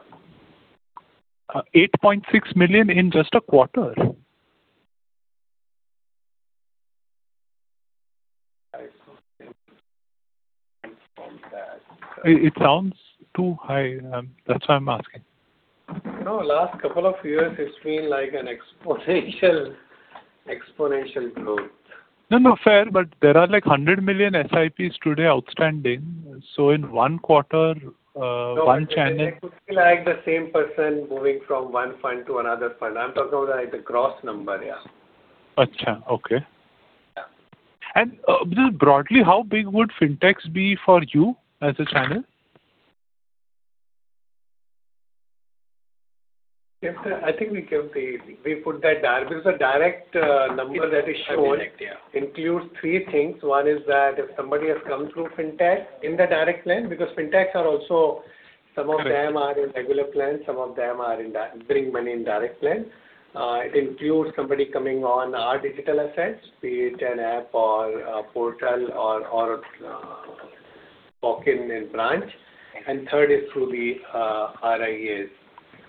S14: 8.6 million in just a quarter?
S4: I don't think from that-
S14: It sounds too high. That's why I'm asking.
S4: No, last couple of years it's been like an exponential growth.
S14: No, no, fair. There are like 100 million SIPs today outstanding. In one quarter, one channel
S4: No, it could be like the same person moving from one fund to another fund. I'm talking about like the gross number. Yeah.
S14: Okay. Yeah. Just broadly, how big would fintechs be for you as a channel?
S4: I think we put that there because the direct number that is shown includes three things. One is that if somebody has come through fintech in the direct plan, because fintechs are also, some of them are in regular plans, some of them bring money in direct plan. It includes somebody coming on our digital assets, be it an app or a portal or walk in a branch. Third is through the RIAs.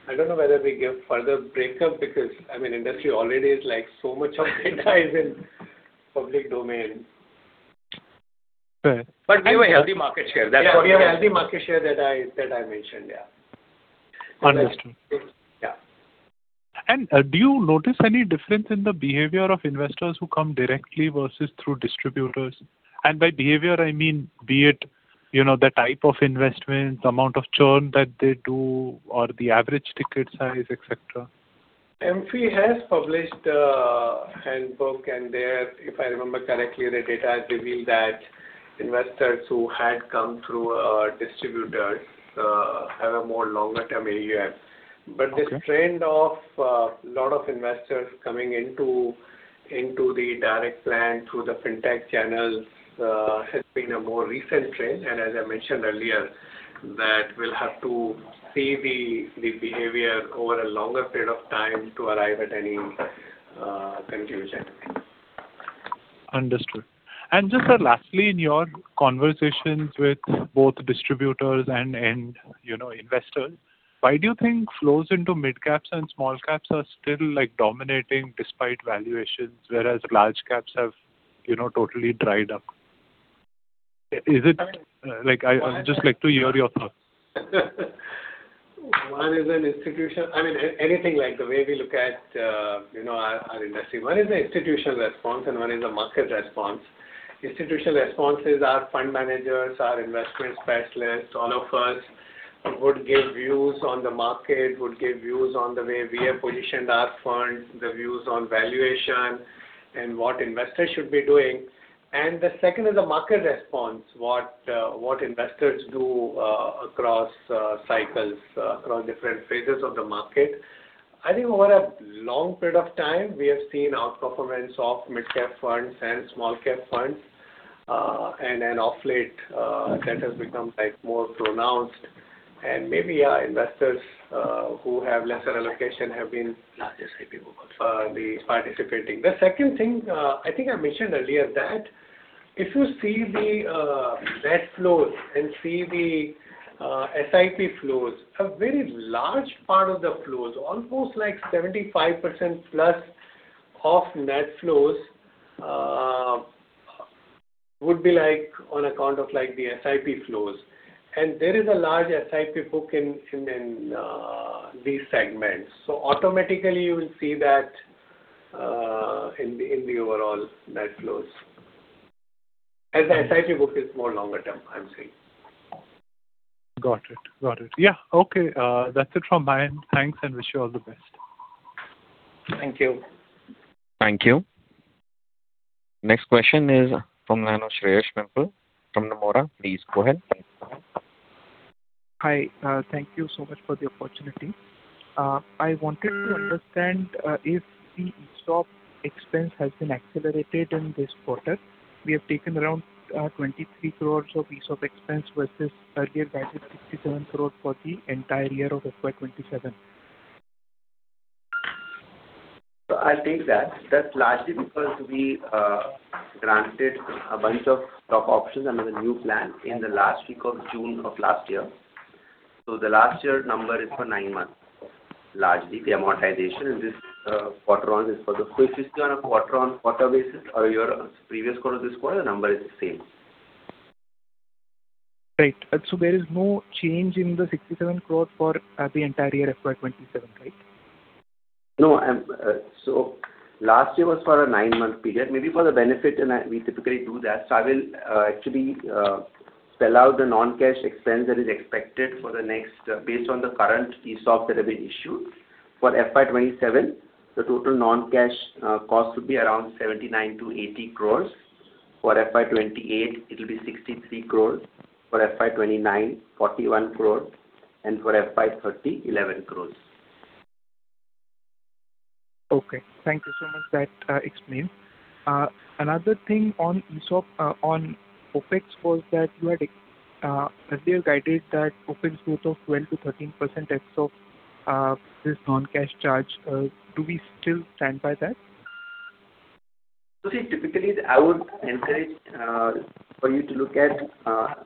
S4: I don't know whether we give further breakup because industry already is like so much of data is in public domain.
S14: Fair.
S4: We have a healthy market share. That's what we have. Yeah, we have healthy market share that I mentioned, yeah.
S14: Understood.
S4: Yeah.
S14: Do you notice any difference in the behavior of investors who come directly versus through distributors? By behavior, I mean, be it the type of investment, the amount of churn that they do, or the average ticket size, et cetera.
S4: AMFI has published a handbook and there, if I remember correctly, the data has revealed that investors who had come through our distributors have a more longer-term. This trend of a lot of investors coming into the direct plan through the fintech channels has been a more recent trend. As I mentioned earlier, that we'll have to see the behavior over a longer period of time to arrive at any conclusion.
S14: Understood. Just lastly, in your conversations with both distributors and investors, why do you think flows into mid caps and small caps are still dominating despite valuations, whereas large caps have totally dried up? I would just like to hear your thoughts.
S4: Anything like the way we look at our industry. One is an institutional response and one is a market response. Institutional responses are fund managers, are investment specialists. All of us would give views on the market, would give views on the way we have positioned our funds, the views on valuation and what investors should be doing. The second is a market response, what investors do across cycles, across different phases of the market. I think over a long period of time, we have seen outperformance of mid-cap funds and small-cap funds. Off late, that has become more pronounced. Maybe our investors who have lesser allocation have been participating. The second thing, I think I mentioned earlier that if you see the net flows and see the SIP flows, a very large part of the flows, almost 75%-plus of net flows would be on account of the SIP flows. There is a large SIP book in these segments. Automatically, you will see that in the overall net flows. As the SIP book is more longer term, I'm saying.
S14: Got it. Yeah. Okay. That's it from my end. Thanks, and wish you all the best.
S4: Thank you.
S1: Thank you. Next question is from the line of Shreyas Pimple from Nomura. Please go ahead.
S15: Hi. Thank you so much for the opportunity. I wanted to understand if the ESOP expense has been accelerated in this quarter. We have taken around 23 crore of ESOP expense versus earlier guided 67 crore for the entire year of FY 2027.
S6: I'll take that. That's largely because we granted a bunch of stock options under the new plan in the last week of June of last year. The last year number is for nine months, largely the amortization. If you look on a quarter-over-quarter basis or year on previous quarter to this quarter, the number is the same.
S15: Right. There is no change in the 67 crore for the entire year FY 2027, right?
S6: No. Last year was for a nine-month period, maybe for the benefit, and we typically do that. I will actually spell out the non-cash expense that is expected for the next, based on the current ESOP that have been issued. For FY 2027, the total non-cash cost would be around 79 crore-80 crore. For FY 2028, it'll be 63 crore. For FY 2029, 41 crore. For FY 2030, 11 crore.
S15: Okay. Thank you so much. That explains. Another thing on ESOP, on OpEx was that you had earlier guided that OpEx growth of 12%-13% ex of this non-cash charge. Do we still stand by that?
S6: You see, typically, I would encourage for you to look at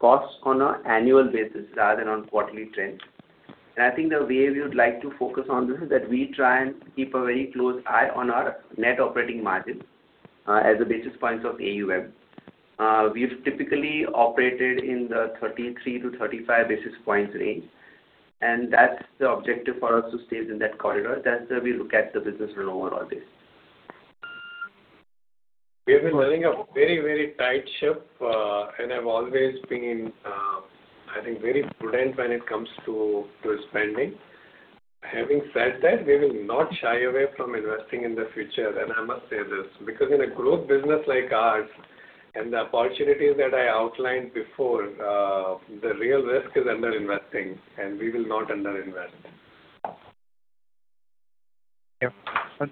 S6: costs on an annual basis rather than on quarterly trend. I think the way we would like to focus on this is that we try and keep a very close eye on our net operating margin as a basis points of AUM. We've typically operated in the 33-35 basis points range, and that's the objective for us to stay in that corridor. That's the way we look at the business on an overall basis.
S4: We have been running a very tight ship, and have always been, I think, very prudent when it comes to spending. Having said that, we will not shy away from investing in the future. I must say this, because in a growth business like ours and the opportunities that I outlined before, the real risk is under-investing, and we will not under-invest.
S15: Yeah.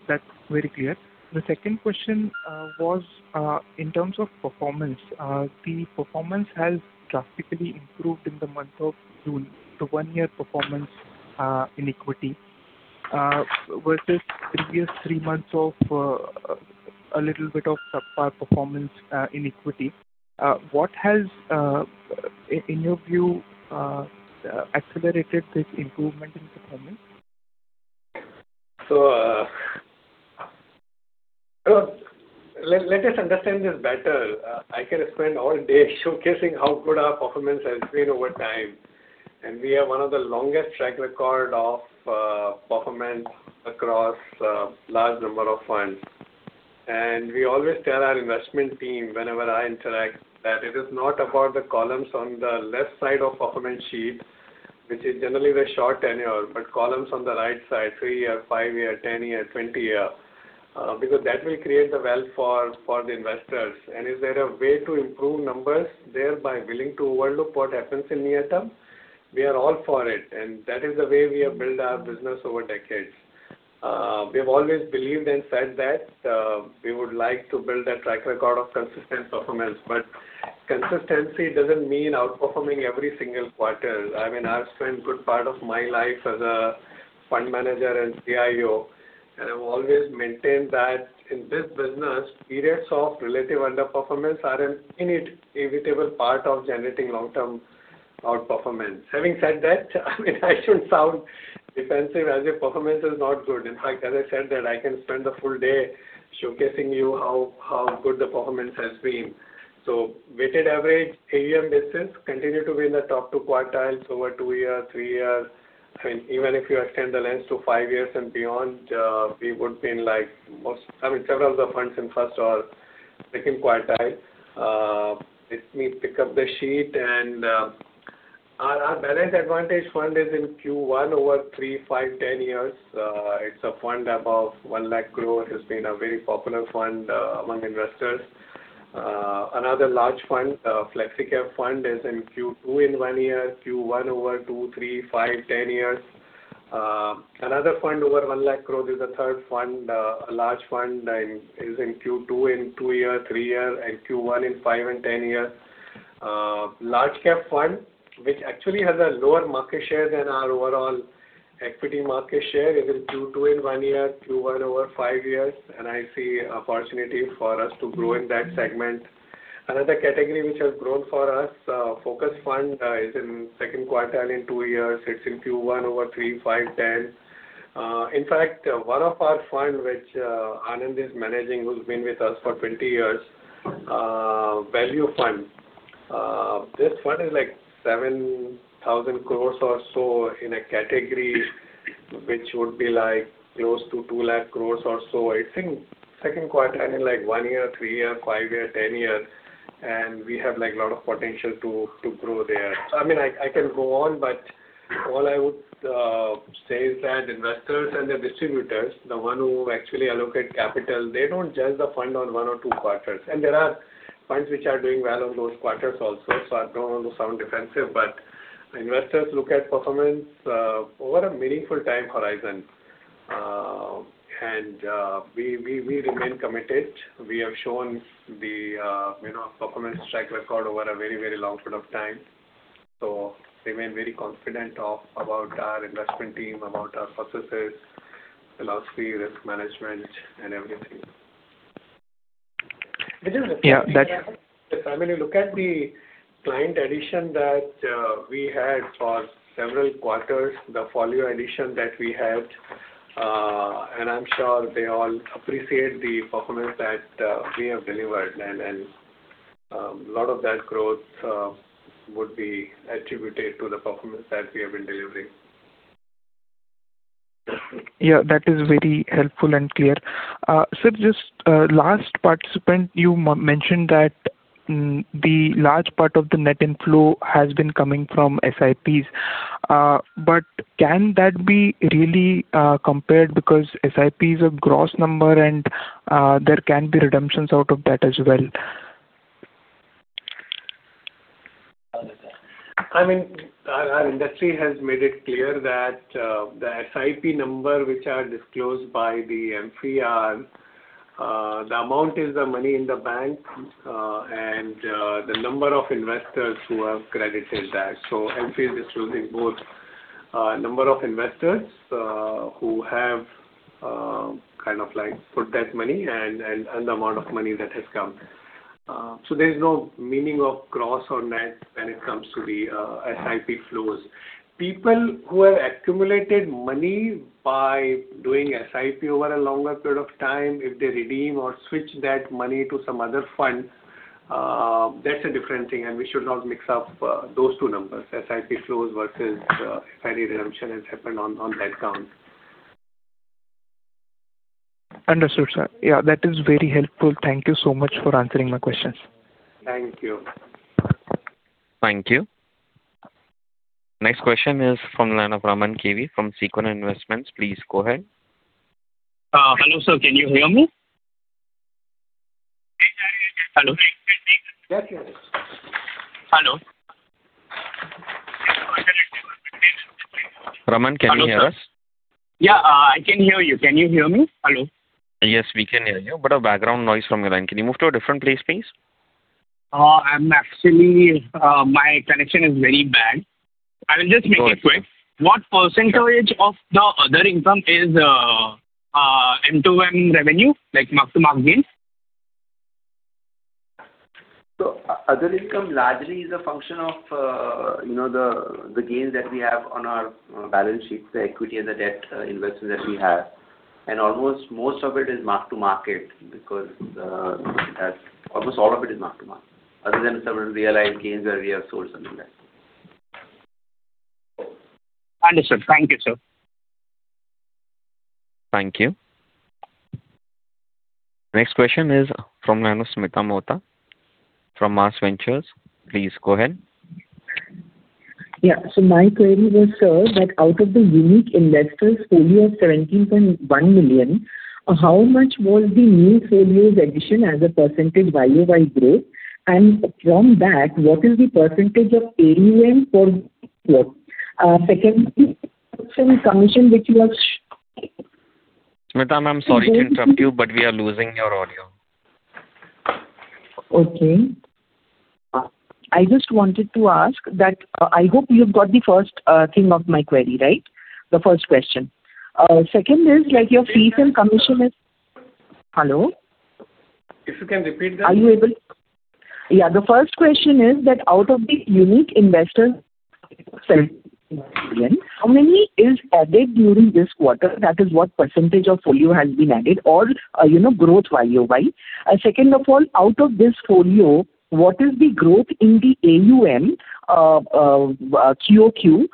S15: That's very clear. The second question was in terms of performance. The performance has drastically improved in the month of June. The one-year performance in equity versus previous three months of a little bit of subpar performance in equity. What has, in your view, accelerated this improvement in performance?
S4: Let us understand this better. I can spend all day showcasing how good our performance has been over time, we have one of the longest track record of performance across a large number of funds. We always tell our investment team whenever I interact, that it is not about the columns on the left side of performance sheet, which is generally the short tenure, but columns on the right side, three-year, five-year, 10-year, 20-year. That will create the wealth for the investors. Is there a way to improve numbers there by willing to overlook what happens in near term? We are all for it, and that is the way we have built our business over decades. We have always believed and said that we would like to build a track record of consistent performance. Consistency doesn't mean outperforming every single quarter. I've spent good part of my life as a fund manager and CIO, I've always maintained that in this business, periods of relative underperformance are an inevitable part of generating long-term outperformance. Having said that, I shouldn't sound defensive as if performance is not good. In fact, as I said that I can spend a full day showcasing you how good the performance has been. Weighted average AUM business continue to be in the top two quartiles over two years, three years. Even if you extend the lens to five years and beyond, we would be in several of the funds in first or second quartile. Let me pick up the sheet and our HDFC Balanced Advantage Fund is in Q1 over three, five, 10 years. It's a fund above 1 lakh crore. It has been a very popular fund among investors. Another large fund, HDFC Flexi Cap Fund, is in Q2 in one year, Q1 over two, three, five, 10 years. Another fund over 1 lakh crore is a third fund. A large fund is in Q2 in two year, three year, and Q1 in five and 10 year. Large Cap Fund, which actually has a lower market share than our overall equity market share. It is Q2 in one year, Q1 over five years, and I see opportunity for us to grow in that segment. Another category which has grown for us, Focused Fund, is in second quartile in two years. It's in Q1 over three, five, 10. In fact, one of our funds, which Anand is managing, who's been with us for 20 years, Value Fund. This fund is 7,000 crore or so in a category which would be close to 200,000 crore or so. I think second quartile in one year, three year, five year, 10 year. We have a lot of potential to grow there. I can go on, but all I would say is that investors and the distributors, the one who actually allocate capital, they don't judge the fund on one or two quarters. There are funds which are doing well on those quarters also, so I don't want to sound defensive, but investors look at performance over a meaningful time horizon. We remain committed. We have shown the performance track record over a very long period of time. Remain very confident about our investment team, about our processes, philosophy, risk management, and everything.
S15: Yeah, that-
S4: If I may look at the client addition that we had for several quarters, the folio addition that we had, and I'm sure they all appreciate the performance that we have delivered. A lot of that growth would be attributed to the performance that we have been delivering.
S15: Yeah, that is very helpful and clear. Sir, just last participant, you mentioned that the large part of the net inflow has been coming from SIPs. Can that be really compared because SIP is a gross number and there can be redemptions out of that as well?
S4: Our industry has made it clear that the SIP number which are disclosed by the MF, the amount is the money in the bank, and the number of investors who have credited that. MF is disclosing both number of investors who have put that money and the amount of money that has come. There's no meaning of gross or net when it comes to the SIP flows. People who have accumulated money by doing SIP over a longer period of time, if they redeem or switch that money to some other fund, that's a different thing, and we should not mix up those two numbers, SIP flows versus SIP redemption has happened on that count.
S15: Understood, sir. Yeah, that is very helpful. Thank you so much for answering my questions.
S4: Thank you.
S1: Thank you. Next question is from line of Raman KV from Sequent Investments. Please go ahead.
S16: Hello, sir. Can you hear me? Hello?
S4: Yes, we can.
S16: Hello?
S1: Raman, can you hear us?
S16: Yeah, I can hear you. Can you hear me? Hello?
S1: Yes, we can hear you, but a background noise from your end. Can you move to a different place, please?
S16: Actually, my connection is very bad. I will just make it quick. What percentage of the other income is MTM revenue, like mark-to-market gains?
S4: Other income largely is a function of the gains that we have on our balance sheets, the equity and the debt investment that we have. Almost most of it is mark-to-market because almost all of it is mark-to-market, other than some realized gains where we have sold something there.
S16: Understood. Thank you, sir.
S1: Thank you. Next question is from line of Smita Mohta from Mars Ventures. Please go ahead.
S17: Yeah. My query was, sir, that out of the unique investor folio, 17.1 million, how much was the new folios addition as a percentage YoY growth? From that, what is the percentage of AUM for? Second, commission which was-
S1: Smita, I'm sorry to interrupt you, we are losing your audio.
S17: Okay. I just wanted to ask that I hope you've got the first thing of my query, right? The first question. Second is your fees and commission is Hello?
S4: If you can repeat that.
S17: Yeah, the first question is that out of the unique investors, how many is added during this quarter? That is what percentage of folio has been added or growth YoY. Second of all, out of this folio, what is the growth in the AUM QOQ?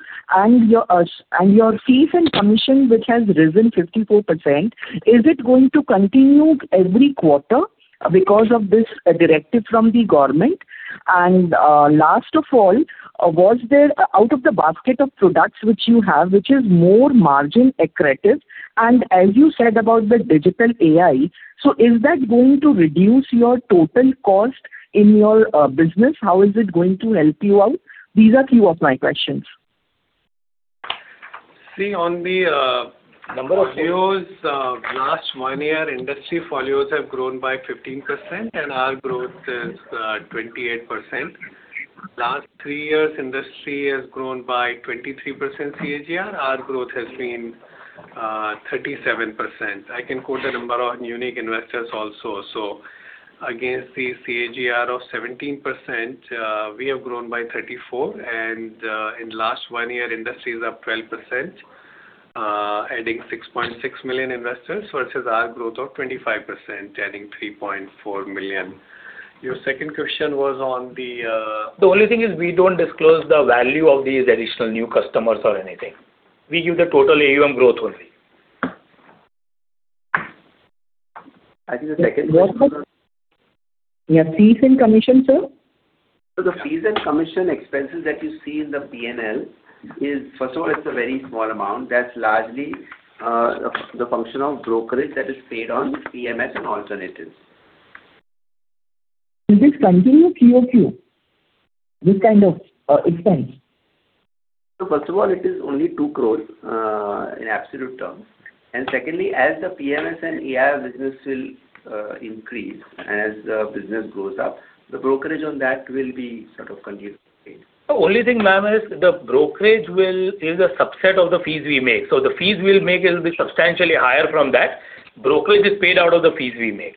S17: Your fees and commission, which has risen 54%, is it going to continue every quarter because of this directive from the government? Last of all, out of the basket of products which you have, which is more margin accretive? As you said about the digital AI, so is that going to reduce your total cost in your business? How is it going to help you out? These are few of my questions.
S4: See, on the-
S6: Number of folios
S4: folios. Last one year, industry folios have grown by 15%, and our growth is 28%. Last three years, industry has grown by 23% CAGR. Our growth has been 37%. I can quote a number on unique investors also. Against the CAGR of 17%, we have grown by 34% and in last one year, industries are 12%, adding 6.6 million investors versus our growth of 25%, adding 3.4 million. Your second question was on the
S6: The only thing is we don't disclose the value of these additional new customers or anything. We give the total AUM growth only. I think the second question was
S17: Yeah. Fees and commission, sir.
S6: The fees and commission expenses that you see in the P&L is, first of all, it's a very small amount. That's largely the function of brokerage that is paid on PMS and alternatives.
S17: Will this continue Q on Q, this kind of expense?
S6: First of all, it is only 2 crores in absolute terms. Secondly, as the PMS and AIF business will increase, as the business goes up, the brokerage on that will be sort of continuously paid.
S4: The only thing, ma'am, is the brokerage is a subset of the fees we make. The fees we'll make will be substantially higher from that. Brokerage is paid out of the fees we make.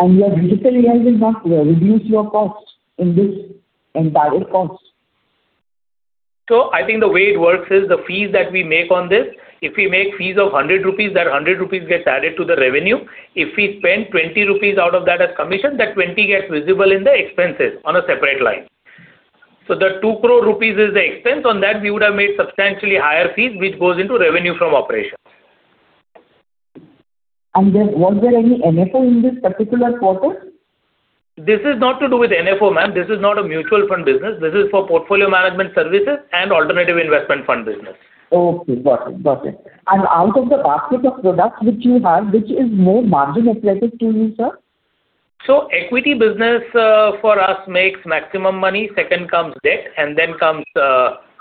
S17: Your digital AI will not reduce your cost in this entire cost?
S4: I think the way it works is the fees that we make on this, if we make fees of 100 rupees, that 100 rupees gets added to the revenue. If we spend 20 rupees out of that as commission, that 20 gets visible in the expenses on a separate line. The 2 crore rupees is the expense. On that, we would have made substantially higher fees, which goes into revenue from operations.
S17: Was there any NFO in this particular quarter?
S4: This is not to do with NFO, ma'am. This is not a mutual fund business. This is for portfolio management services and alternative investment fund business.
S17: Okay, got it. Out of the basket of products which you have, which is more margin accretive to you, sir?
S4: Equity business for us makes maximum money. Second comes debt, and then comes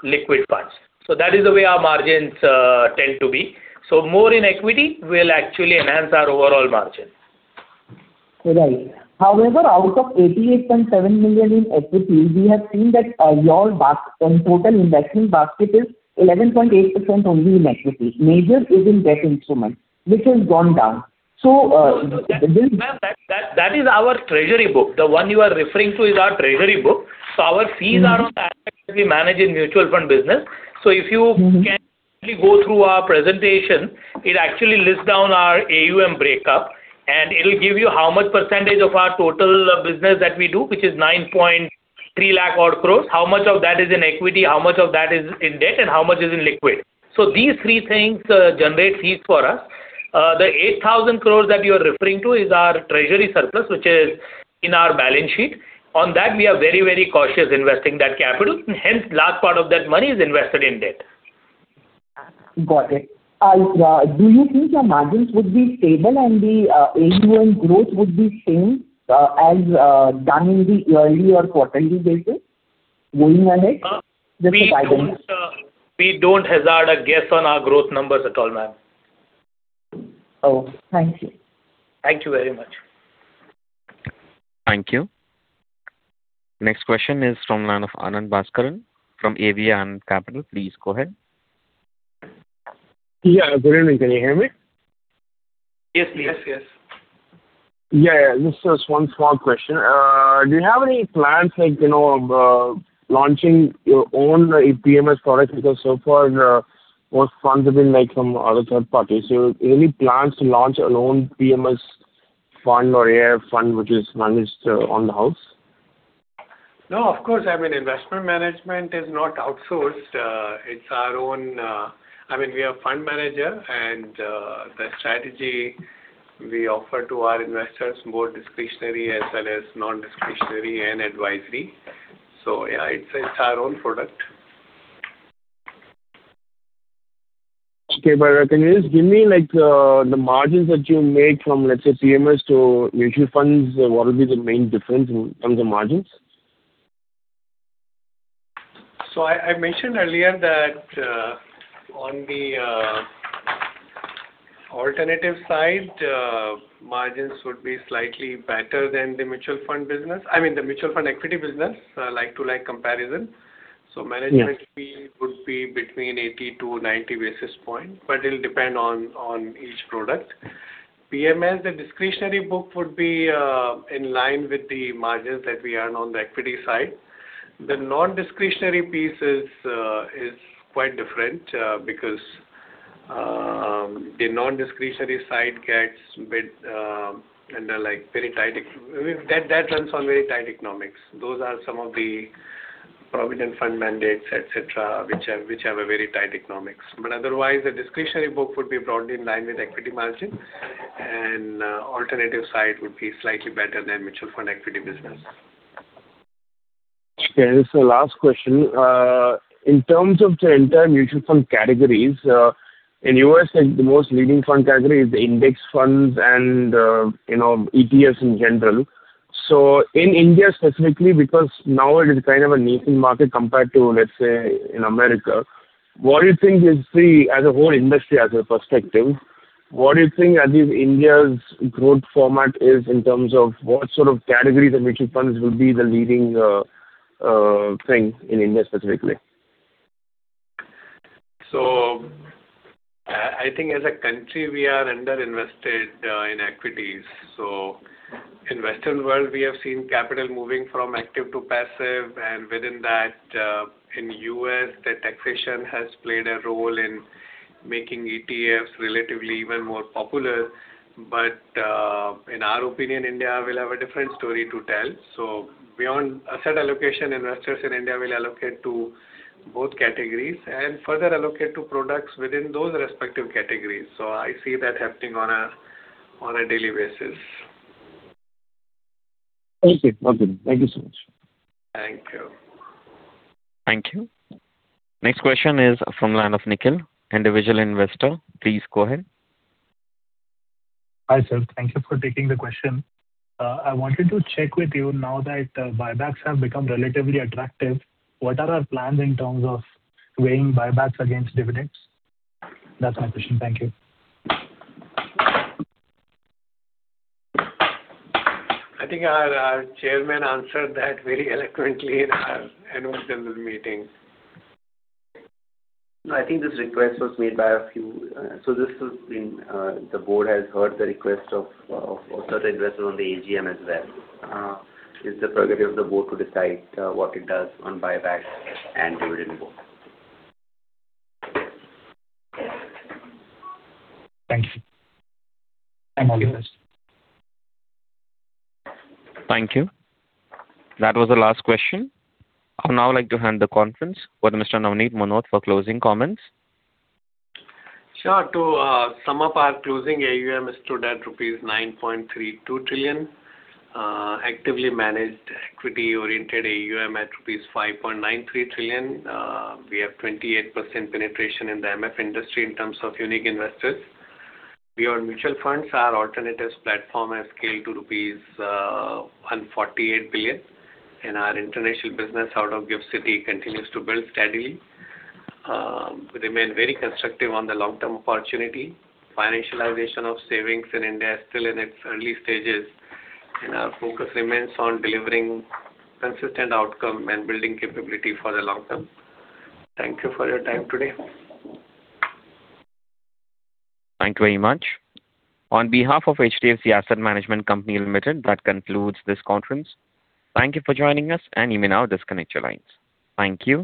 S4: liquid funds. That is the way our margins tend to be. More in equity will actually enhance our overall margin.
S17: Right. However, out of 88.7 million in equity, we have seen that your total investment basket is 11.8% only in equities. Major is in debt instruments, which has gone down.
S4: No, ma'am. That is our treasury book. The one you are referring to is our treasury book. Our fees are on the assets that we manage in mutual fund business. If you can actually go through our presentation, it actually lists down our AUM breakup, and it will give you how much percentage of our total business that we do, which is 9.3 lakh odd crores, how much of that is in equity, how much of that is in debt, and how much is in liquid. These three things generate fees for us. The 8,000 crores that you're referring to is our treasury surplus, which is in our balance sheet. On that, we are very cautious investing that capital. Hence, large part of that money is invested in debt.
S17: Got it. Do you think your margins would be stable and the AUM growth would be same as done in the yearly or quarterly basis going ahead? Just a guidance.
S2: We don't hazard a guess on our growth numbers at all, ma'am.
S17: Oh, thank you.
S2: Thank you very much.
S1: Thank you. Next question is from line of Anand Bhaskaran from AVA Capital. Please go ahead.
S18: Yeah. Good evening. Can you hear me?
S4: Yes, please.
S6: Yes.
S18: Yeah. This is one small question. Do you have any plans like, you know, of launching your own PMS product? Because so far, most funds have been like from other third parties. Any plans to launch your own PMS fund or AIF fund, which is managed on the house?
S4: No, of course. I mean, investment management is not outsourced. It's our own. I mean, we are a fund manager, and the strategy we offer to our investors, both discretionary as well as non-discretionary and advisory. Yeah, it's our own product.
S18: Okay. Can you just give me like the margins that you make from, let's say, PMS to mutual funds? What will be the main difference in terms of margins?
S4: I mentioned earlier that on the alternative side, margins would be slightly better than the mutual fund business. I mean, the mutual fund equity business, like to like comparison. Management fee would be between 80 to 90 basis points, but it'll depend on each product. PMS, the discretionary book would be in line with the margins that we earn on the equity side. The non-discretionary piece is quite different because the non-discretionary side gets a bit under like That runs on very tight economics. Those are some of the provident fund mandates, et cetera, which have a very tight economics. Otherwise, the discretionary book would be broadly in line with equity margin, and alternative side would be slightly better than mutual fund equity business.
S18: Okay. This is the last question. In terms of the entire mutual fund categories, in U.S., the most leading fund category is the index funds and ETFs in general. In India specifically, because now it is kind of a nascent market compared to, let's say, in America, what do you think is the, as a whole industry, as a perspective, what do you think India's growth format is in terms of what sort of categories of mutual funds will be the leading thing in India specifically?
S4: I think as a country, we are under-invested in equities. In Western world, we have seen capital moving from active to passive, and within that, in U.S., the taxation has played a role in making ETFs relatively even more popular. In our opinion, India will have a different story to tell. Beyond asset allocation, investors in India will allocate to both categories and further allocate to products within those respective categories. I see that happening on a daily basis.
S18: Okay. Lovely. Thank you so much.
S4: Thank you.
S1: Thank you. Next question is from line of Nikhil, Individual Investor. Please go ahead.
S19: Hi, sir. Thank you for taking the question. I wanted to check with you, now that buybacks have become relatively attractive, what are our plans in terms of weighing buybacks against dividends? That's my question. Thank you.
S4: I think our chairman answered that very eloquently in our annual general meeting.
S13: No, I think this request was made by a few. The board has heard the request of certain investors on the AGM as well. It's the prerogative of the board to decide what it does on buyback and dividend both.
S19: Thank you.
S4: Thank you.
S1: Thank you. That was the last question. I would now like to hand the conference over to Mr. Navneet Munot for closing comments.
S4: Sure. To sum up our closing AUM stood at rupees 9.32 trillion. Actively managed equity-oriented AUM at rupees 5.93 trillion. We have 28% penetration in the MF industry in terms of unique investors. Beyond mutual funds, our alternatives platform has scaled to rupees 148 billion, and our international business out of Gift City continues to build steadily. We remain very constructive on the long-term opportunity. Financialization of savings in India is still in its early stages, and our focus remains on delivering consistent outcome and building capability for the long term. Thank you for your time today.
S1: Thank you very much. On behalf of HDFC Asset Management Company Limited, that concludes this conference. Thank you for joining us, and you may now disconnect your lines. Thank you